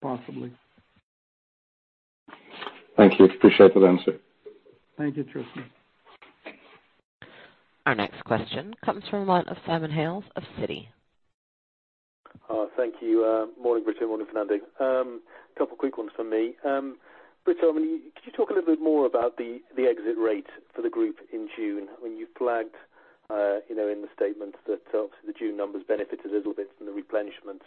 possible. Thank you. Appreciate the answer. Thank you, Tristan. Our next question comes from the line of Simon Hales of Citi. Thank you. Morning, Brito, morning, Fernando. Couple quick ones from me. Brito, could you talk a little bit more about the exit rate for the group in June? You flagged in the statement that obviously the June numbers benefited a little bit from the replenishment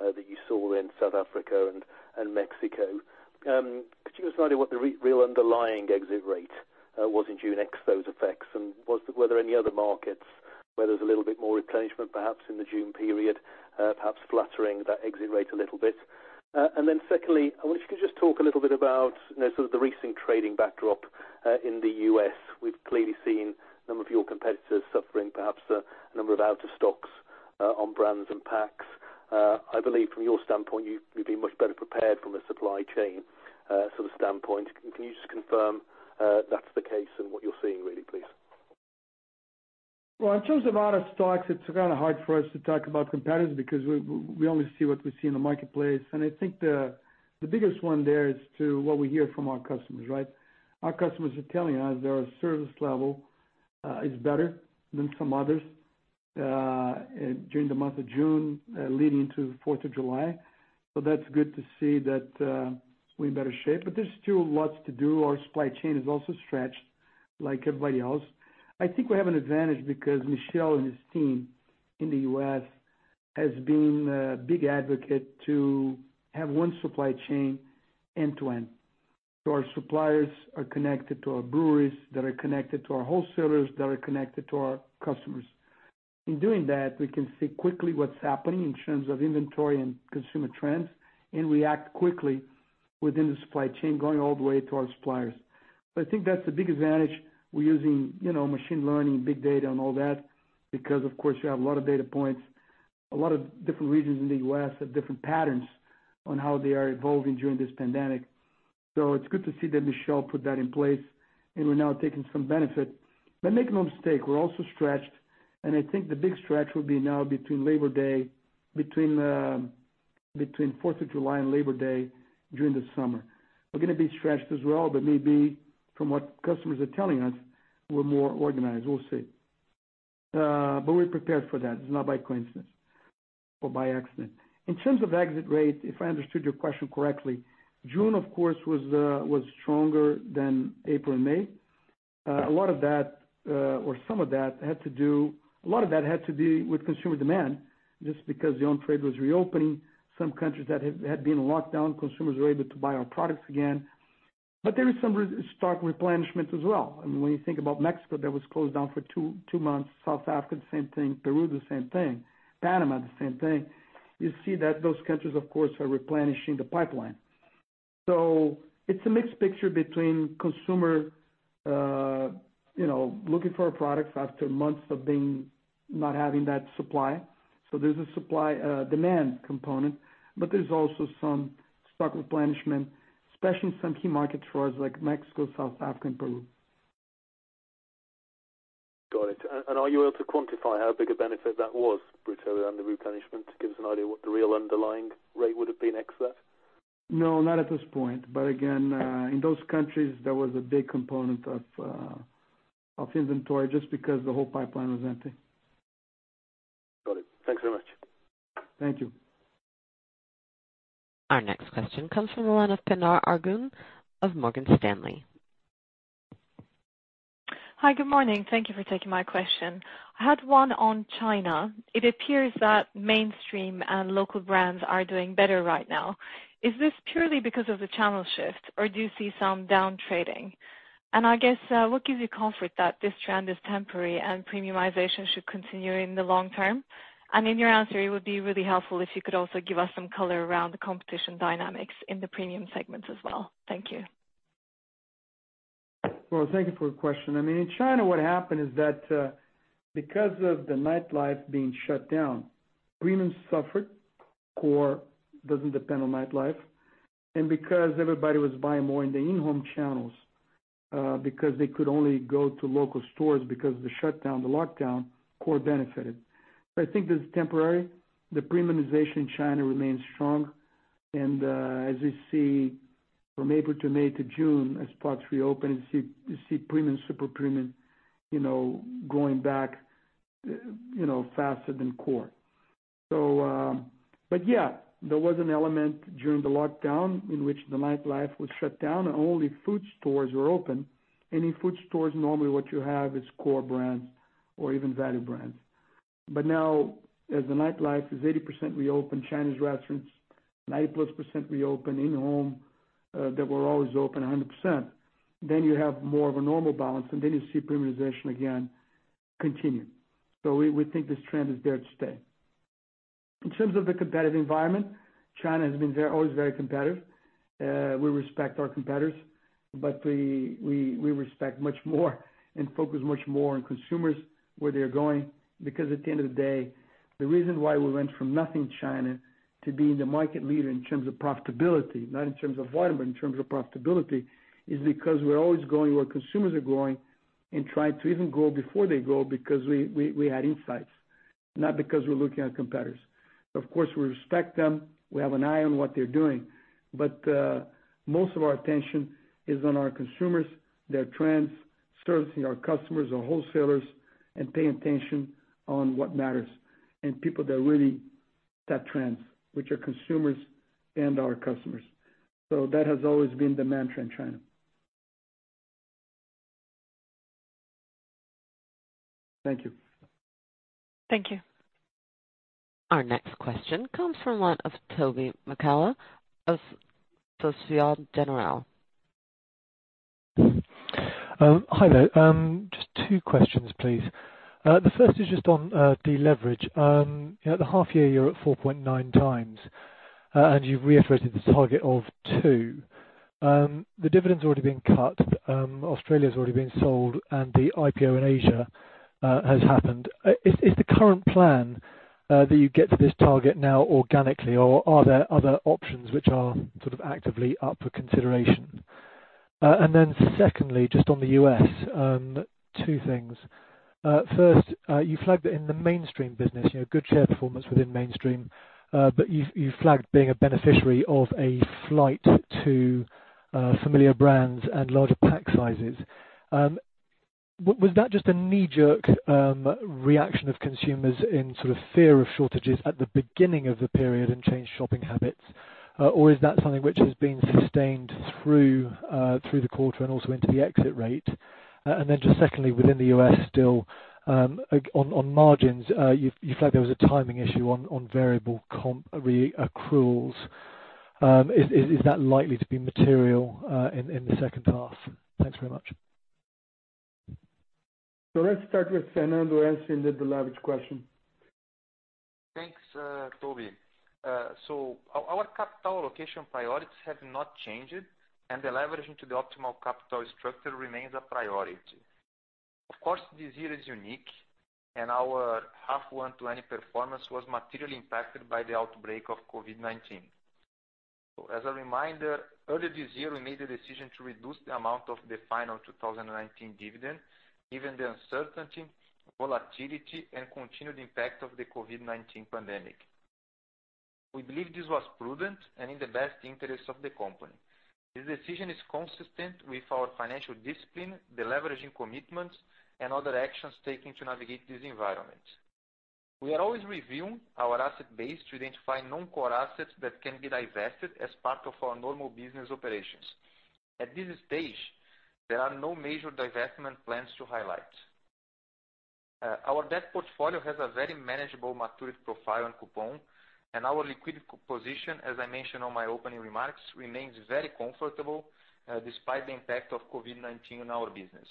that you saw in South Africa and Mexico. Could you give us an idea what the real underlying exit rate was in June ex those effects, and were there any other markets where there's a little bit more replenishment, perhaps in the June period, perhaps flattering that exit rate a little bit? Secondly, I wonder if you could just talk a little bit about the recent trading backdrop in the U.S. We've clearly seen a number of your competitors suffering, perhaps a number of out of stocks on brands and packs. I believe from your standpoint, you've been much better prepared from a supply chain standpoint. Can you just confirm that's the case and what you're seeing really, please? In terms of out of stocks, it's kind of hard for us to talk about competitors because we only see what we see in the marketplace. I think the biggest one there is to what we hear from our customers, right? Our customers are telling us their service level is better than some others during the month of June leading to 4th of July. That's good to see that we're in better shape. There's still lots to do. Our supply chain is also stretched like everybody else. I think we have an advantage because Michel and his team in the U.S. has been a big advocate to have one supply chain end to end. To our suppliers are connected to our breweries, that are connected to our wholesalers, that are connected to our customers. In doing that, we can see quickly what's happening in terms of inventory and consumer trends, and react quickly within the supply chain, going all the way to our suppliers. I think that's a big advantage. We're using machine learning, big data, and all that, because of course you have a lot of data points. A lot of different regions in the U.S. have different patterns on how they are evolving during this pandemic. It's good to see that Michel put that in place, and we're now taking some benefit. Make no mistake, we're also stretched, and I think the big stretch will be now between 4th of July and Labor Day during the summer. We're going to be stretched as well, maybe from what customers are telling us, we're more organized. We'll see. We're prepared for that. It's not by coincidence or by accident. In terms of exit rate, if I understood your question correctly, June, of course, was stronger than April and May. A lot of that had to do with consumer demand, just because the on-trade was reopening. Some countries that had been locked down, consumers were able to buy our products again. There is some stock replenishment as well. When you think about Mexico, that was closed down for two months, South Africa, the same thing. Peru, the same thing. Panama, the same thing. You see that those countries, of course, are replenishing the pipeline. It's a mixed picture between consumer looking for our products after months of not having that supply. There's a supply/demand component. There's also some stock replenishment, especially in some key markets for us like Mexico, South Africa, and Peru. Got it. Are you able to quantify how big a benefit that was, Brito and the replenishment, to give us an idea what the real underlying rate would have been ex that? No, not at this point. Again, in those countries, there was a big component of inventory just because the whole pipeline was empty. Got it. Thanks very much. Thank you. Our next question comes from the line of Pinar Ergun of Morgan Stanley. Hi, good morning. Thank you for taking my question. I had one on China. It appears that mainstream and local brands are doing better right now. Is this purely because of the channel shift, or do you see some down trading? I guess, what gives you comfort that this trend is temporary and premiumization should continue in the long term? In your answer, it would be really helpful if you could also give us some color around the competition dynamics in the premium segments as well. Thank you. Well, thank you for the question. In China, what happened is that, because of the nightlife being shut down, premium suffered. Core doesn't depend on nightlife. Because everybody was buying more in the in-home channels, because they could only go to local stores because the lockdown, core benefited. I think this is temporary. The premiumization in China remains strong. As you see from April to May to June, as parts reopen, you see premium, super premium, going back faster than core. Yeah, there was an element during the lockdown in which the nightlife was shut down and only food stores were open. In food stores, normally what you have is core brands or even value brands. Now as the nightlife is 80% reopened, Chinese restaurants, 90+% reopened, in-home, that were always open, 100%, you have more of a normal balance, you see premiumization again continue. We think this trend is there to stay. In terms of the competitive environment, China has been always very competitive. We respect our competitors, we respect much more and focus much more on consumers, where they're going. At the end of the day, the reason why we went from nothing China to being the market leader in terms of profitability, not in terms of volume, in terms of profitability, is because we're always going where consumers are going and trying to even go before they go because we had insights, not because we're looking at competitors. Of course, we respect them. We have an eye on what they're doing. Most of our attention is on our consumers, their trends, servicing our customers, our wholesalers, and paying attention on what matters, and people that really set trends, which are consumers and our customers. That has always been the mantra in China. Thank you. Thank you. Our next question comes from the line of Toby McCullagh of Societe Generale. Hi there. Just two questions, please. The first is just on deleverage. At the half year, you're at 4.9 times, and you've reiterated the target of 2. The dividend's already been cut, Australia's already been sold, the IPO in Asia has happened. Is the current plan that you get to this target now organically, or are there other options which are sort of actively up for consideration? Secondly, just on the U.S., two things. First, you flagged that in the mainstream business, good share performance within mainstream, you flagged being a beneficiary of a flight to familiar brands and larger pack sizes. Was that just a knee-jerk reaction of consumers in sort of fear of shortages at the beginning of the period and change shopping habits? Is that something which has been sustained through the quarter and also into the exit rate? Just secondly, within the U.S. still, on margins, you felt there was a timing issue on variable comp re-accruals. Is that likely to be material in the second half? Thanks very much. Let's start with Fernando answering the leverage question. Thanks, Toby. Our capital allocation priorities have not changed, and the leveraging to the optimal capital structure remains a priority. Of course, this year is unique, and our half one to any performance was materially impacted by the outbreak of COVID-19. As a reminder, earlier this year, we made the decision to reduce the amount of the final 2019 dividend, given the uncertainty, volatility, and continued impact of the COVID-19 pandemic. We believe this was prudent and in the best interest of the company. This decision is consistent with our financial discipline, the leveraging commitments, and other actions taken to navigate this environment. We are always reviewing our asset base to identify non-core assets that can be divested as part of our normal business operations. At this stage, there are no major divestment plans to highlight. Our debt portfolio has a very manageable maturity profile and coupon, and our liquidity position, as I mentioned on my opening remarks, remains very comfortable, despite the impact of COVID-19 on our business.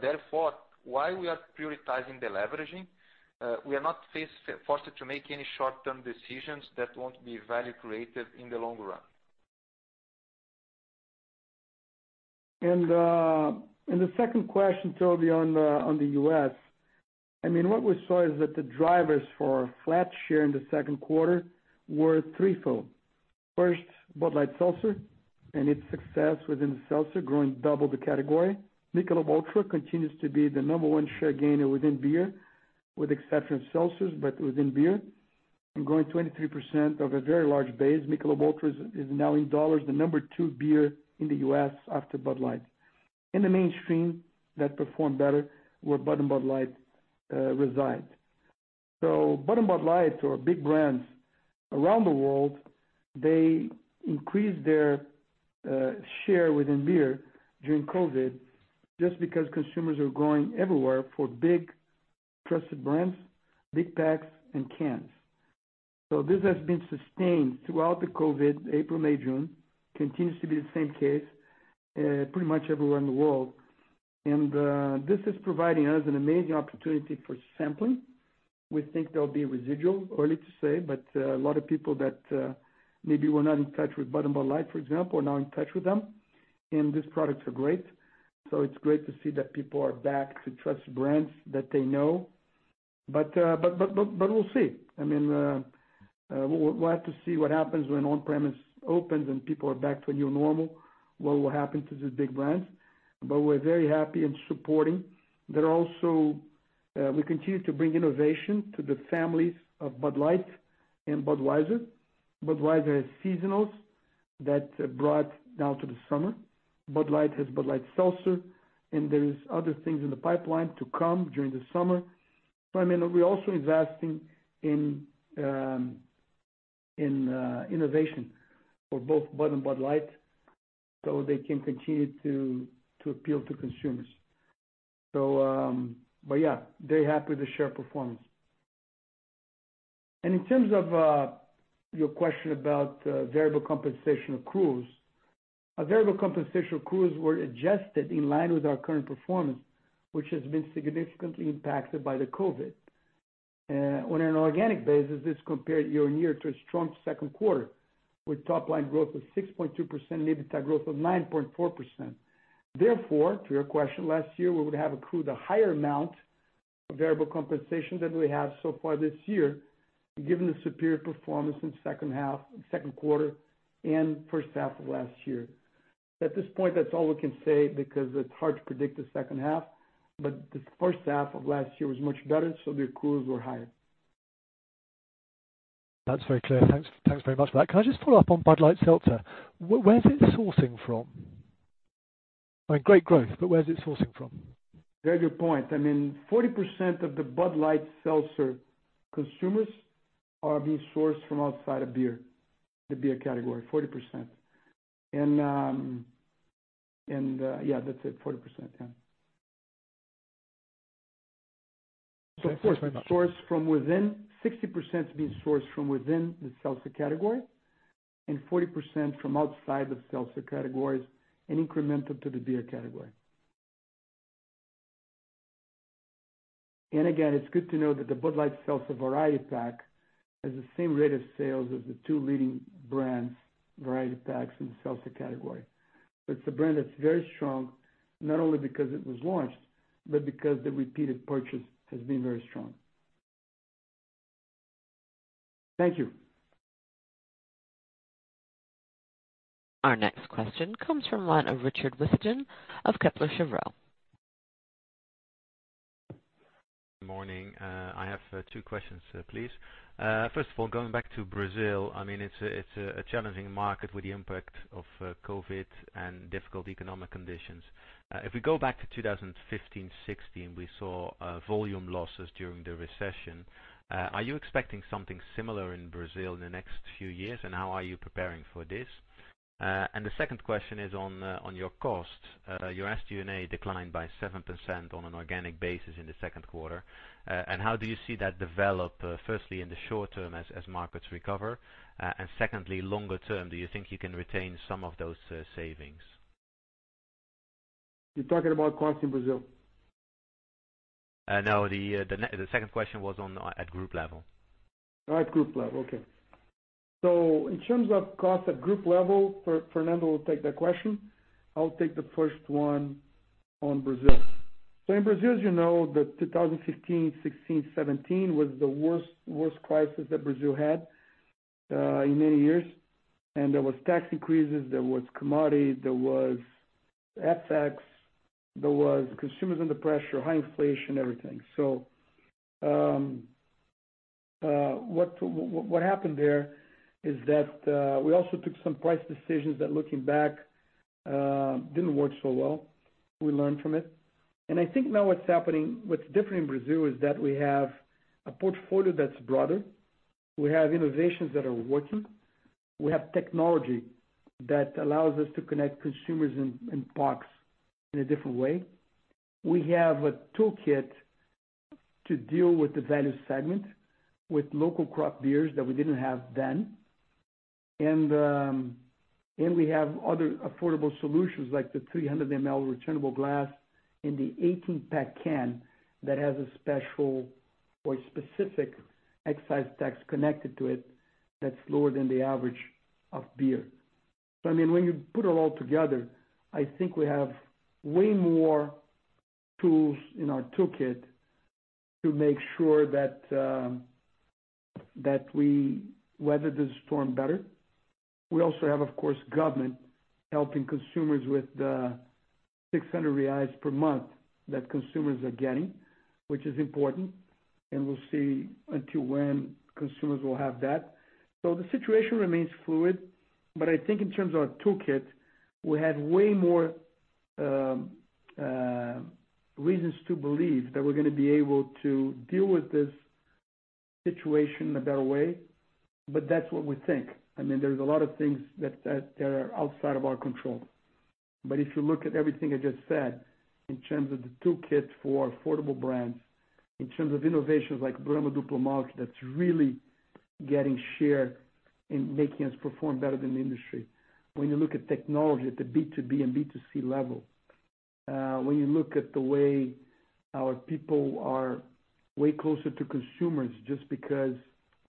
Therefore, while we are prioritizing deleveraging, we are not forced to make any short-term decisions that won't be value-creative in the long run. The second question, Toby, on the U.S. What we saw is that the drivers for flat share in the Q2 were threefold. First, Bud Light Seltzer and its success within Seltzer, growing double the category. Michelob ULTRA continues to be the number 1 share gainer within beer, with exception of Seltzers, but within beer. Growing 23% of a very large base, Michelob ULTRA is now in dollars, the number 2 beer in the U.S. after Bud Light. In the mainstream, that performed better where Bud and Bud Light reside. Bud and Bud Light are big brands around the world. They increased their share within beer during COVID just because consumers are going everywhere for big trusted brands, big packs, and cans. This has been sustained throughout the COVID, April, May, June, continues to be the same case pretty much everywhere in the world. This is providing us an amazing opportunity for sampling. We think there'll be residual, early to say, a lot of people that maybe were not in touch with Bud and Bud Light, for example, are now in touch with them, and these products are great. It's great to see that people are back to trusted brands that they know. We'll see. We'll have to see what happens when on-premise opens and people are back to a new normal, what will happen to these big brands. We're very happy and supporting. We continue to bring innovation to the families of Bud Light and Budweiser. Budweiser has seasonals that brought now to the summer. Bud Light has Bud Light Seltzer, and there is other things in the pipeline to come during the summer. We're also investing in innovation for both Bud and Bud Light, so they can continue to appeal to consumers. Yeah, very happy with the share performance. In terms of your question about variable compensation accruals, our variable compensation accruals were adjusted in line with our current performance, which has been significantly impacted by the COVID-19. On an organic basis, this compared year-over-year to a strong Q2 with top line growth of 6.2% and EBITDA growth of 9.4%. To your question, last year, we would have accrued a higher amount of variable compensation than we have so far this year, given the superior performance in Q2 and first half of last year. At this point, that's all we can say because it's hard to predict the second half, but the first half of last year was much better, so the accruals were higher. That's very clear. Thanks very much for that. Can I just follow up on Bud Light Seltzer? Where's it sourcing from? Great growth, but where's it sourcing from? Very good point. 40% of the Bud Light Seltzer consumers are being sourced from outside of beer, the beer category, 40%. Yeah, that's it, 40%. Yeah. Okay. Thanks very much. 40% sourced from within, 60% is being sourced from within the Seltzer category, and 40% from outside the Seltzer categories and incremental to the beer category. Again, it's good to know that the Bud Light Seltzer variety pack has the same rate of sales as the two leading brands variety packs in the Seltzer category. It's a brand that's very strong, not only because it was launched, but because the repeated purchase has been very strong. Thank you. Our next question comes from the line of Richard Withagen of Kepler Cheuvreux. Morning. I have 2 questions, please. First of all, going back to Brazil, it's a challenging market with the impact of COVID-19 and difficult economic conditions. If we go back to 2015, 2016, we saw volume losses during the recession. Are you expecting something similar in Brazil in the next few years? How are you preparing for this? The second question is on your cost. Your SG&A declined by 7% on an organic basis in the Q2. How do you see that develop, firstly, in the short term as markets recover, and secondly, longer-term, do you think you can retain some of those savings? You're talking about cost in Brazil? No, the second question was at group level. At group level. Okay. In terms of cost at group level, Fernando will take that question. I'll take the first one on Brazil. In Brazil, as you know, the 2015, 2016, 2017 was the worst crisis that Brazil had in many years. There was tax increases, there was commodity, there was FX, there was consumers under pressure, high inflation, everything. What happened there is that we also took some price decisions that, looking back, didn't work so well. We learned from it. I think now what's different in Brazil is that we have a portfolio that's broader. We have innovations that are working. We have technology that allows us to connect consumers and parks in a different way. We have a toolkit to deal with the value segment with local craft beers that we didn't have then. We have other affordable solutions like the 300 ml returnable glass and the 18-pack can that has a special or specific excise tax connected to it that's lower than the average of beer. I mean, when you put it all together, I think we have way more tools in our toolkit to make sure that we weather the storm better. We also have, of course, government helping consumers with the 600 reais per month that consumers are getting, which is important, and we'll see until when consumers will have that. The situation remains fluid, but I think in terms of our toolkit, we have way more reasons to believe that we're going to be able to deal with this situation in a better way, but that's what we think. There's a lot of things that are outside of our control. If you look at everything I just said, in terms of the toolkit for affordable brands, in terms of innovations like Brahma Duplo Malte, that's really getting shared and making us perform better than the industry. When you look at technology at the B2B and B2C level, when you look at the way our people are way closer to consumers just because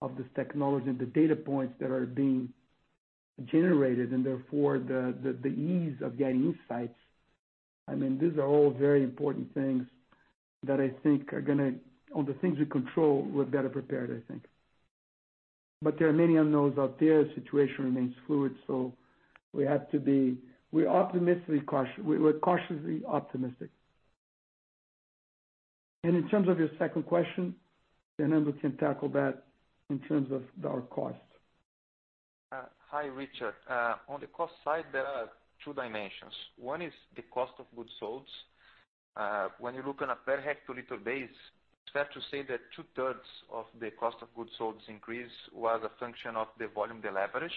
of this technology and the data points that are being generated and therefore the ease of getting insights. These are all very important things that I think. On the things we control, we're better prepared, I think. There are many unknowns out there. The situation remains fluid. We're cautiously optimistic. In terms of your second question, Fernando can tackle that in terms of our cost. Hi, Richard. On the cost side, there are two dimensions. One is the cost of goods sold. When you look on a per hectoliter base, it's fair to say that two-thirds of the cost of goods sold increase was a function of the volume deleverage.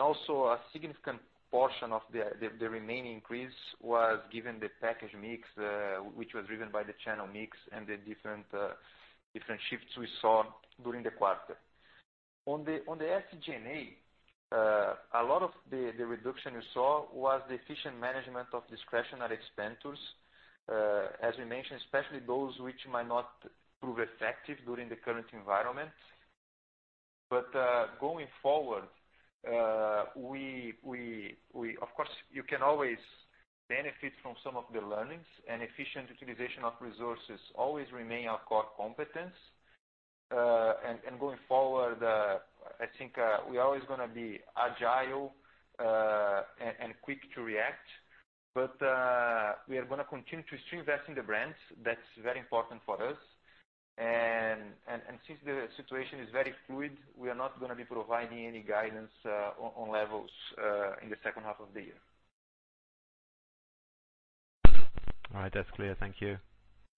Also a significant portion of the remaining increase was given the package mix, which was driven by the channel mix and the different shifts we saw during the quarter. On the SG&A, a lot of the reduction you saw was the efficient management of discretionary expenditures, as we mentioned, especially those which might not prove effective during the current environment. Going forward, of course you can always benefit from some of the learnings and efficient utilization of resources always remain our core competence. Going forward, I think we are always going to be agile and quick to react. We are going to continue to invest in the brands. That's very important for us. Since the situation is very fluid, we are not going to be providing any guidance on levels in the second half of the year. All right. That's clear. Thank you.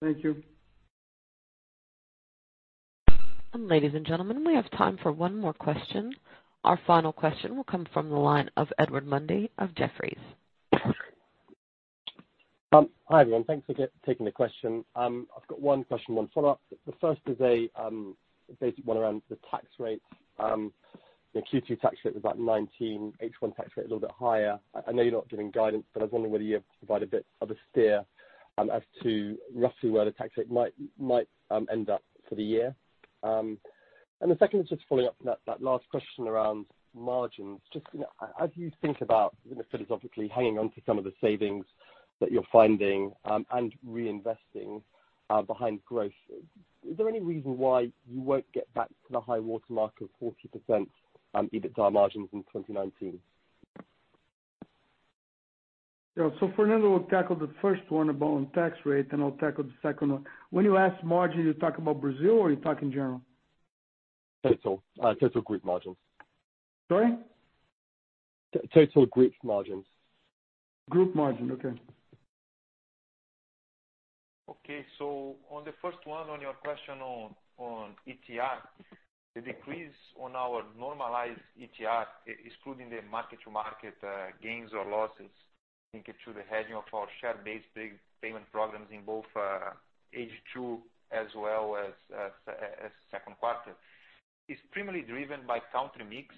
Thank you. Ladies and gentlemen, we have time for one more question. Our final question will come from the line of Edward Mundy of Jefferies. Hi, everyone. Thanks for taking the question. I've got one question, one follow-up. The first is a basic one around the tax rates. The Q2 tax rate was about 19%, H1 tax rate a little bit higher. I know you're not giving guidance, but I was wondering whether you have to provide a bit of a steer as to roughly where the tax rate might end up for the year. The second is just following up on that last question around margins. Just as you think about philosophically hanging on to some of the savings that you're finding and reinvesting behind growth, is there any reason why you won't get back to the high water mark of 40% EBITDA margins in 2019? Fernando will tackle the first one about tax rate, and I'll tackle the second one. When you ask margin, are you talking about Brazil or are you talking general? Total. Total group margins. Sorry? Total group margins. Group margin. Okay. Okay. On the first one, on your question on ETR, the decrease on our normalized ETR, excluding the mark-to-market gains or losses linked to the hedging of our share-based payment programs in both H2 as well as Q2, is primarily driven by country mix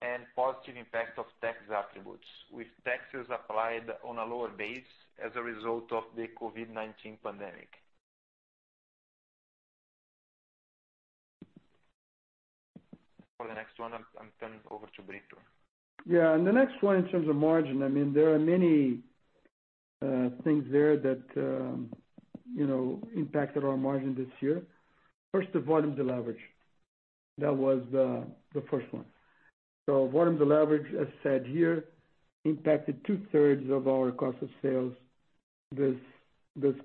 and positive impact of tax attributes, with taxes applied on a lower base as a result of the COVID-19 pandemic. For the next one, I'm turning over to Brito. Yeah, the next one in terms of margin, there are many things there that impacted our margin this year. First, the volume deleverage. That was the first one. Volume deleverage, as said here, impacted two-thirds of our cost of sales this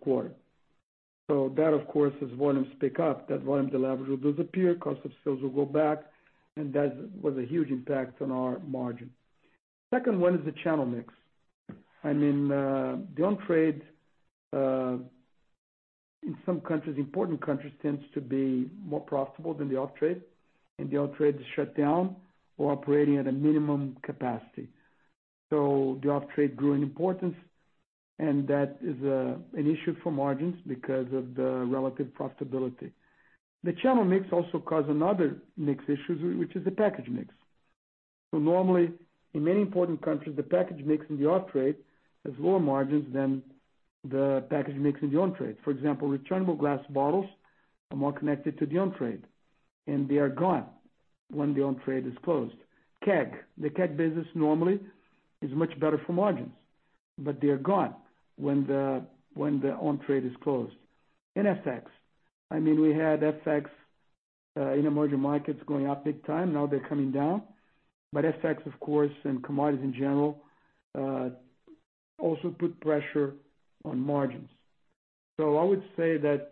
quarter. That, of course, as volumes pick up, that volume deleverage will disappear, cost of sales will go back, and that was a huge impact on our margin. Second one is the channel mix. The on-trade in some important countries tends to be more profitable than the off-trade, and the off-trade is shut down or operating at a minimum capacity. The off-trade grew in importance, and that is an issue for margins because of the relative profitability. The channel mix also caused another mix issue, which is the package mix. Normally, in many important countries, the package mix in the off-trade has lower margins than the package mix in the on-trade. For example, returnable glass bottles are more connected to the on-trade, and they are gone when the on-trade is closed. Keg. The keg business normally is much better for margins, but they are gone when the on-trade is closed. FX. We had FX in emerging markets going up big time. Now they're coming down. FX, of course, and commodities in general, also put pressure on margins. I would say that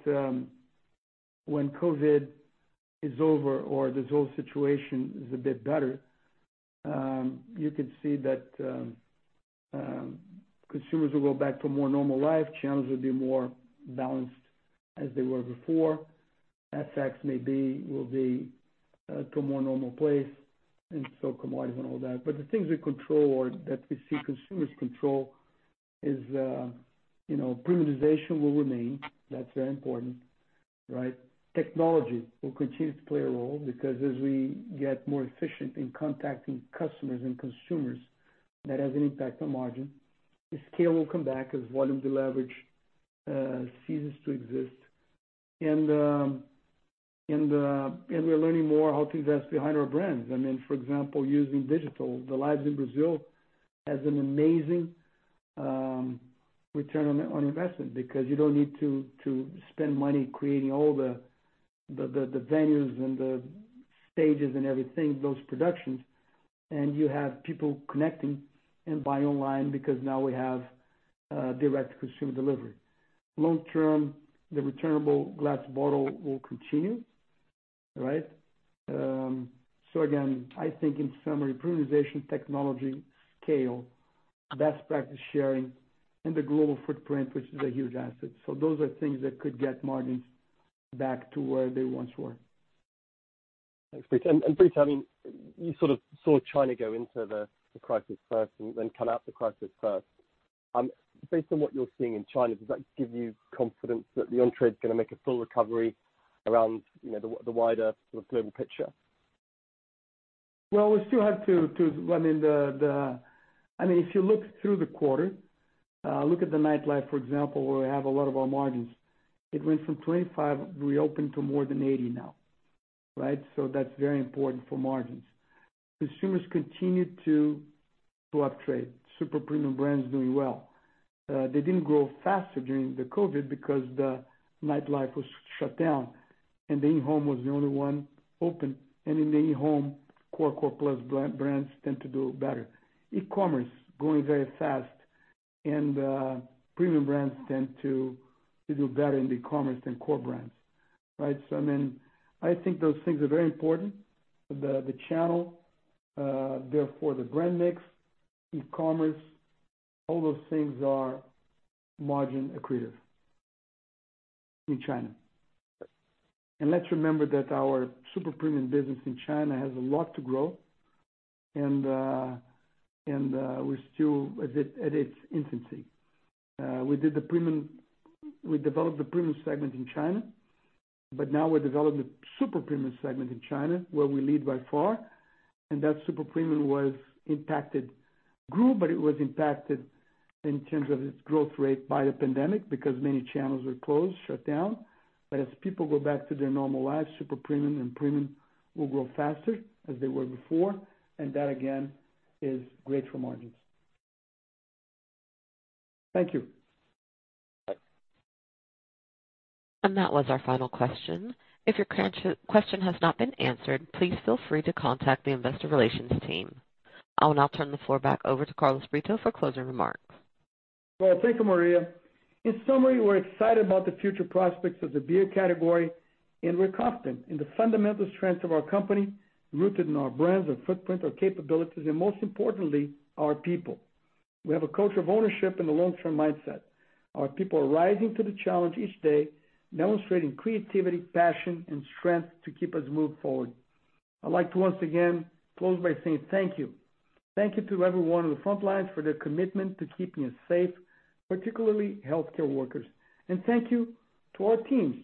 when COVID is over or this whole situation is a bit better, you could see that consumers will go back to a more normal life, channels will be more balanced as they were before. FX maybe will be to a more normal place, and so commodities and all that. The things we control or that we see consumers control is premiumization will remain. That's very important, right? Technology will continue to play a role because as we get more efficient in contacting customers and consumers, that has an impact on margin. The scale will come back as volume deleverage ceases to exist. We're learning more how to invest behind our brands. For example, using digital. The Lives in Brazil has an amazing return on investment because you don't need to spend money creating all the venues and the stages and everything, those productions, and you have people connecting and buying online because now we have direct consumer delivery. Long term, the returnable glass bottle will continue, right? Again, I think in summary, premiumization, technology, scale, best practice sharing, and the global footprint, which is a huge asset. Those are things that could get margins back to where they once were. Thanks, Brito. Brito, you sort of saw China go into the crisis first and then come out the crisis first. Based on what you're seeing in China, does that give you confidence that the on-trade is going to make a full recovery around the wider sort of global picture? Well, if you look through the quarter, look at the nightlife, for example, where we have a lot of our margins. It went from 25 reopened to more than 80 now, right? That's very important for margins. Consumers continued to off-trade. Super premium brands doing well. They didn't grow faster during the COVID-19 because the nightlife was shut down and the in-home was the only one open. In the in-home, core plus brands tend to do better. E-commerce growing very fast, and premium brands tend to do better in the commerce than core brands, right? I think those things are very important. The channel, therefore the brand mix, e-commerce, all those things are margin accretive in China. Okay. Let's remember that our super premium business in China has a lot to grow, and we're still at its infancy. We developed the premium segment in China, but now we're developing the super premium segment in China, where we lead by far. That super premium grew, but it was impacted in terms of its growth rate by the pandemic because many channels were closed, shut down. As people go back to their normal lives, super premium and premium will grow faster as they were before. That, again, is great for margins. Thank you. Okay. That was our final question. If your question has not been answered, please feel free to contact the investor relations team. I will now turn the floor back over to Carlos Brito for closing remarks. Well, thank you, Maria. In summary, we are excited about the future prospects of the beer category, and we are confident in the fundamental strengths of our company, rooted in our brands, our footprint, our capabilities, and most importantly, our people. We have a culture of ownership and a long-term mindset. Our people are rising to the challenge each day, demonstrating creativity, passion, and strength to keep us moved forward. I would like to once again close by saying thank you. Thank you to everyone on the front lines for their commitment to keeping us safe, particularly healthcare workers. And thank you to our teams,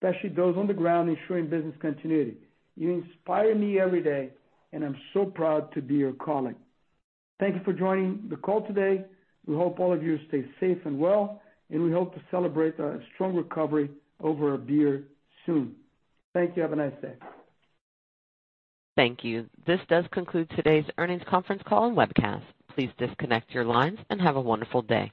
especially those on the ground ensuring business continuity. You inspire me every day, and I am so proud to be your colleague. Thank you for joining the call today. We hope all of you stay safe and well, and we hope to celebrate a strong recovery over a beer soon. Thank you. Have a nice day. Thank you. This does conclude today's earnings conference call and webcast. Please disconnect your lines and have a wonderful day.